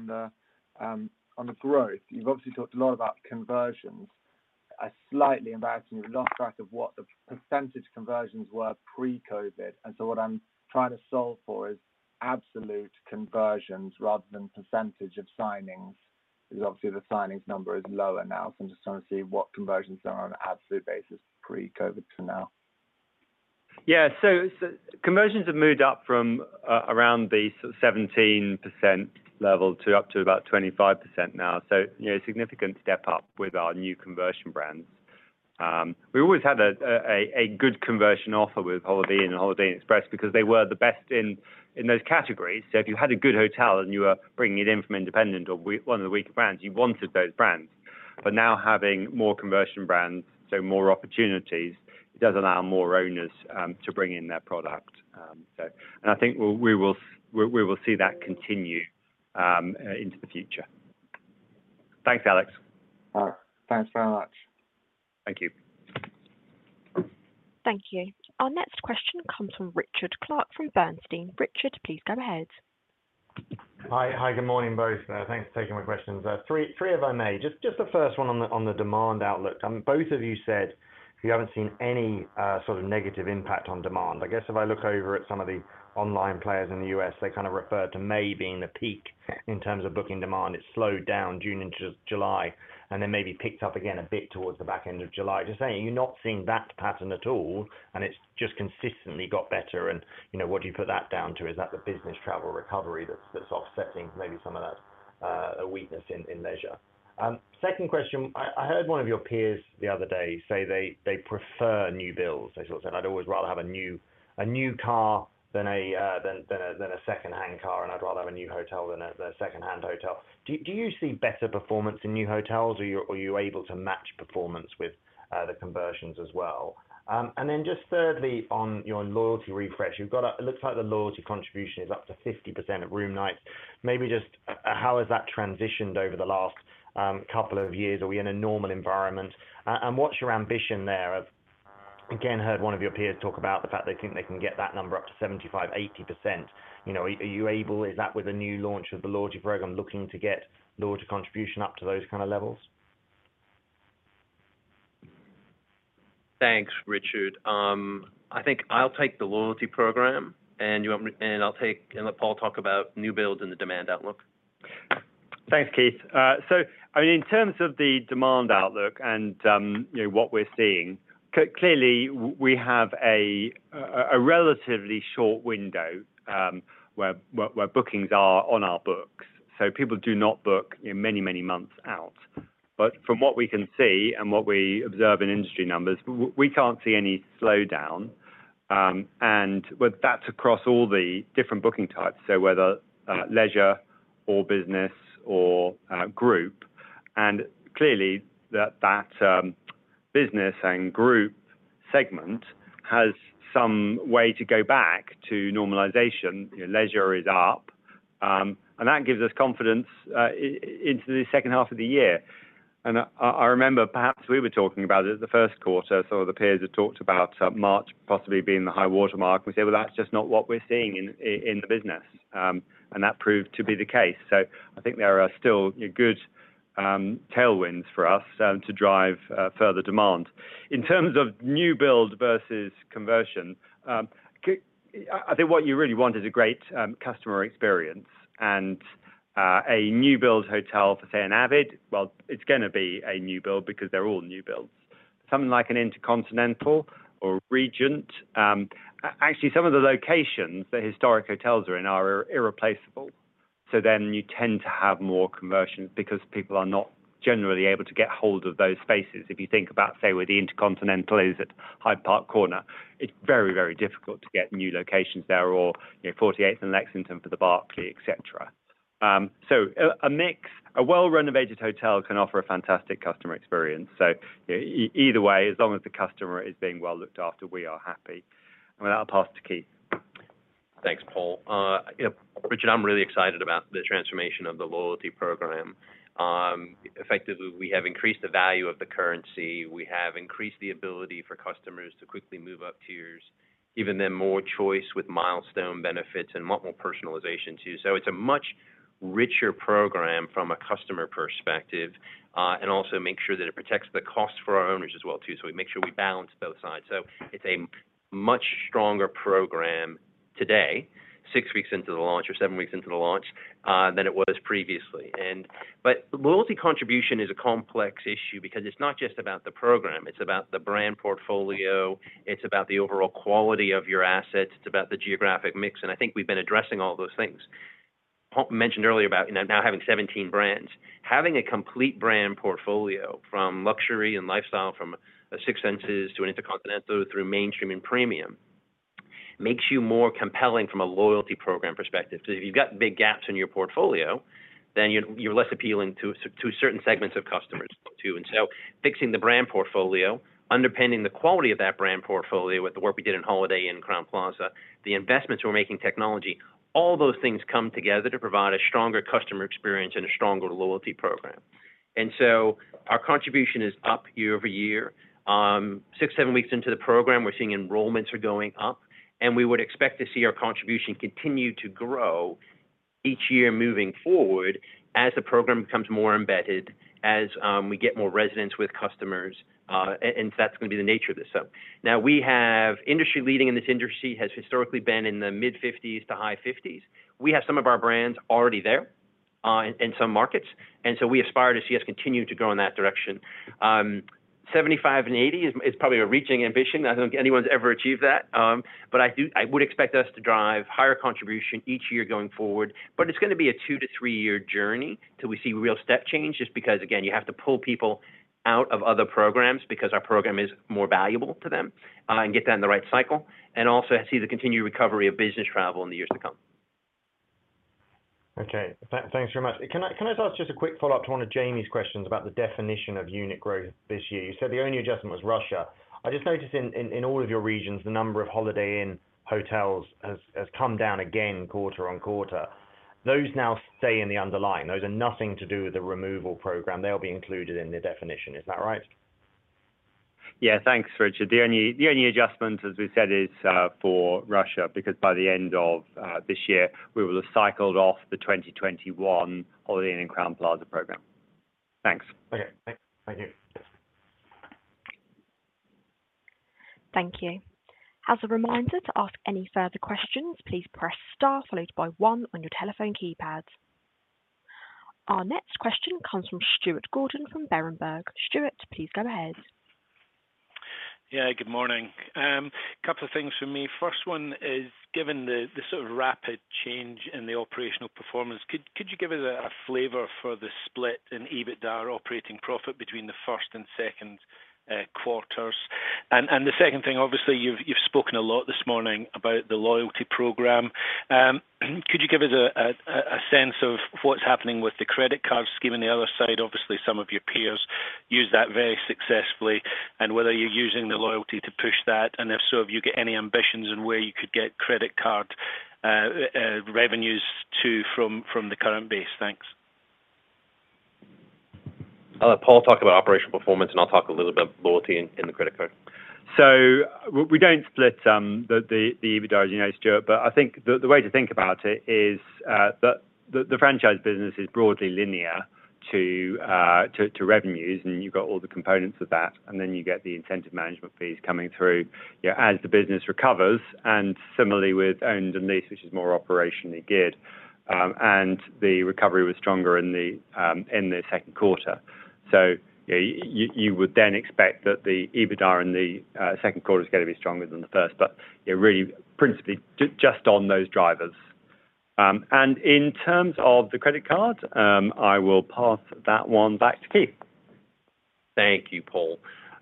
on the growth. You've obviously talked a lot about conversions. I slightly, in fact, lost track of what the percentage conversions were pre-COVID. What I'm trying to solve for is absolute conversions rather than percentage of signings, because obviously the signings number is lower now. I'm just trying to see what conversions are on an absolute basis pre-COVID to now. Conversions have moved up from around the 17% level to up to about 25% now. A significant step up with our new conversion brands. We always had a good conversion offer with Holiday Inn and Holiday Inn Express because they were the best in those categories. If you had a good hotel and you were bringing it in from independent or one of the weaker brands, you wanted those brands. Now having more conversion brands, more opportunities, it does allow more owners to bring in their product. I think we will see that continue into the future. Thanks, Alex. All right. Thanks very much. Thank you. Thank you. Our next question comes from Richard Clarke from Bernstein. Richard, please go ahead. Hi. Hi, good morning, both. Thanks for taking my questions. Three if I may. Just the first one on the demand outlook. Both of you said you haven't seen any sort of negative impact on demand. I guess if I look over at some of the online players in the U.S., they kind of refer to May being the peak in terms of booking demand. It slowed down June into July, and then maybe picked up again a bit towards the back end of July. Just saying, are you not seeing that pattern at all, and it's just consistently got better and, you know, what do you put that down to? Is that the business travel recovery that's offsetting maybe some of that weakness in leisure? Second question. I heard one of your peers the other day say they prefer new builds. They sort of said, "I'd always rather have a new car than a secondhand car, and I'd rather have a new hotel than a secondhand hotel." Do you see better performance in new hotels or are you able to match performance with the conversions as well? Just thirdly, on your loyalty refresh, it looks like the loyalty contribution is up to 50% of room nights. Maybe just how has that transitioned over the last couple of years? Are we in a normal environment? What's your ambition there? Again, heard one of your peers talk about the fact they think they can get that number up to 75%-80%. You know, is that with a new launch of the loyalty program, looking to get loyalty contribution up to those kind of levels? Thanks, Richard. I think I'll take the loyalty program, and let Paul talk about new builds and the demand outlook. Thanks, Keith. I mean, in terms of the demand outlook and, you know, what we're seeing, clearly we have a relatively short window, where bookings are on our books. People do not book, you know, many months out. From what we can see and what we observe in industry numbers, we can't see any slowdown, and that's across all the different booking types, so whether leisure or business or group. Clearly that business and group segment has some way to go back to normalization. You know, leisure is up, and that gives us confidence into the second half of the year. I remember perhaps we were talking about it at the first quarter, some of the peers had talked about March possibly being the high-water mark. We say, "Well, that's just not what we're seeing in the business." That proved to be the case. I think there are still, you know, good tailwinds for us to drive further demand. In terms of new builds versus conversion, I think what you really want is a great customer experience and a new build hotel for, say, an avid, well, it's gonna be a new build because they're all new builds. Something like an InterContinental or a Regent, actually some of the locations that historic hotels are in are irreplaceable. Then you tend to have more conversions because people are not generally able to get hold of those spaces. If you think about, say, where the InterContinental is at Hyde Park Corner, it's very, very difficult to get new locations there or, you know, 48th and Lexington for the Barclay, et cetera. A mix, a well-renovated hotel can offer a fantastic customer experience. Either way, as long as the customer is being well looked after, we are happy. With that, I'll pass to Keith. Thanks, Paul. You know, Richard, I'm really excited about the transformation of the loyalty program. Effectively, we have increased the value of the currency. We have increased the ability for customers to quickly move up tiers, giving them more choice with milestone benefits and much more personalization too. It's a much richer program from a customer perspective, and also make sure that it protects the cost for our owners as well too. We make sure we balance both sides. It's a much stronger program today, six weeks into the launch or seven weeks into the launch, than it was previously. Loyalty contribution is a complex issue because it's not just about the program, it's about the brand portfolio, it's about the overall quality of your assets, it's about the geographic mix, and I think we've been addressing all those things. Paul mentioned earlier about now having 17 brands. Having a complete brand portfolio from luxury and lifestyle, from a Six Senses to an InterContinental through mainstream and premium, makes you more compelling from a loyalty program perspective. If you've got big gaps in your portfolio, then you're less appealing to certain segments of customers too. Fixing the brand portfolio, underpinning the quality of that brand portfolio with the work we did in Holiday Inn, Crowne Plaza, the investments we're making technology, all those things come together to provide a stronger customer experience and a stronger loyalty program. Our contribution is up year over year. Six-7 weeks into the program, we're seeing enrollments are going up, and we would expect to see our contribution continue to grow each year moving forward as the program becomes more embedded, as we get more resonance with customers, and so that's gonna be the nature of this. Now we have industry leading in this industry has historically been in the mid-50s to high 50s%. We have some of our brands already there, in some markets, and so we aspire to see us continue to grow in that direction. 75% and 80% is probably a reaching ambition. I don't think anyone's ever achieved that, but I would expect us to drive higher contribution each year going forward. it's gonna be a 2- to 3-year journey till we see real step change, just because again, you have to pull people out of other programs because our program is more valuable to them, and get that in the right cycle, and also see the continued recovery of business travel in the years to come. Okay. Thanks very much. Can I ask just a quick follow-up to one of Jamie's questions about the definition of unit growth this year? You said the only adjustment was Russia. I just noticed in all of your regions, the number of Holiday Inn hotels has come down again quarter-on-quarter. Those now stay in the underlying. Those are nothing to do with the removal program. They'll be included in the definition. Is that right? Thanks, Richard. The only adjustment, as we said, is for Russia, because by the end of this year, we will have cycled off the 2021 Holiday Inn and Crowne Plaza program. Thanks. Okay. Thank you. Thank you. As a reminder to ask any further questions, please press star followed by one on your telephone keypads. Our next question comes from Stuart Gordon from Berenberg. Stuart, please go ahead. Yeah, good morning. Couple of things from me. First one is, given the sort of rapid change in the operational performance, could you give us a flavor for the split in EBITDAR operating profit between the first and second quarters? The second thing, obviously, you've spoken a lot this morning about the loyalty program. Could you give us a sense of what's happening with the credit card scheme on the other side? Obviously, some of your peers use that very successfully. Whether you're using the loyalty to push that, and if so, have you got any ambitions in where you could get credit card revenues to from the current base? Thanks. I'll let Paul talk about operational performance, and I'll talk a little about loyalty in the credit card. We don't split the EBITDARs, you know, Stuart. I think the way to think about it is that the franchise business is broadly linear to revenues, and you've got all the components of that, and then you get the incentive management fees coming through, you know, as the business recovers, and similarly with owned and leased, which is more operationally geared. The recovery was stronger in the second quarter. You would then expect that the EBITDAR in the second quarter is gonna be stronger than the first. You know, really principally just on those drivers. In terms of the credit card, I will pass that one back to Keith. Thank you, Paul.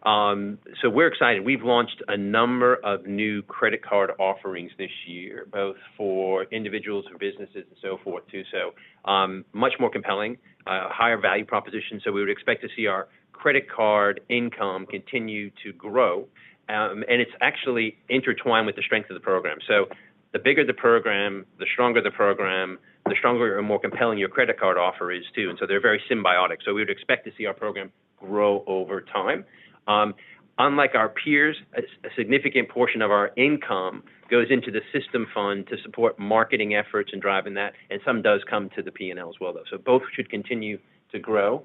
We're excited. We've launched a number of new credit card offerings this year, both for individuals, for businesses and so forth too, much more compelling, higher value proposition. We would expect to see our credit card income continue to grow. It's actually intertwined with the strength of the program. The bigger the program, the stronger the program, the stronger and more compelling your credit card offer is too. They're very symbiotic. We would expect to see our program grow over time. Unlike our peers, a significant portion of our income goes into the system fund to support marketing efforts and driving that, and some does come to the P&L as well, though. Both should continue to grow.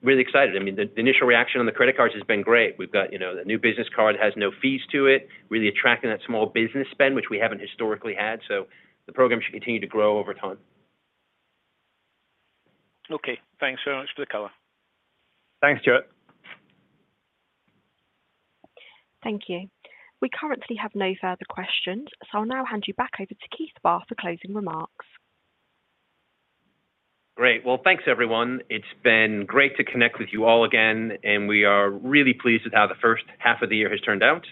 Really excited. I mean, the initial reaction on the credit cards has been great. We've got, you know, the new business card has no fees to it, really attracting that small business spend, which we haven't historically had. The program should continue to grow over time. Okay. Thanks very much for the color. Thanks, Stuart. Thank you. We currently have no further questions, so I'll now hand you back over to Keith Barr for closing remarks. Great. Well, thanks, everyone. It's been great to connect with you all again, and we are really pleased with how the first half of the year has turned out.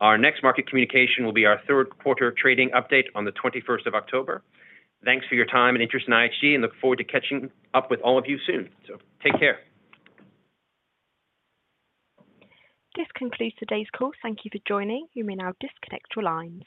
Our next market communication will be our third quarter trading update on the 21st of October. Thanks for your time and interest in IHG, and look forward to catching up with all of you soon. Take care. This concludes today's call. Thank you for joining. You may now disconnect your lines.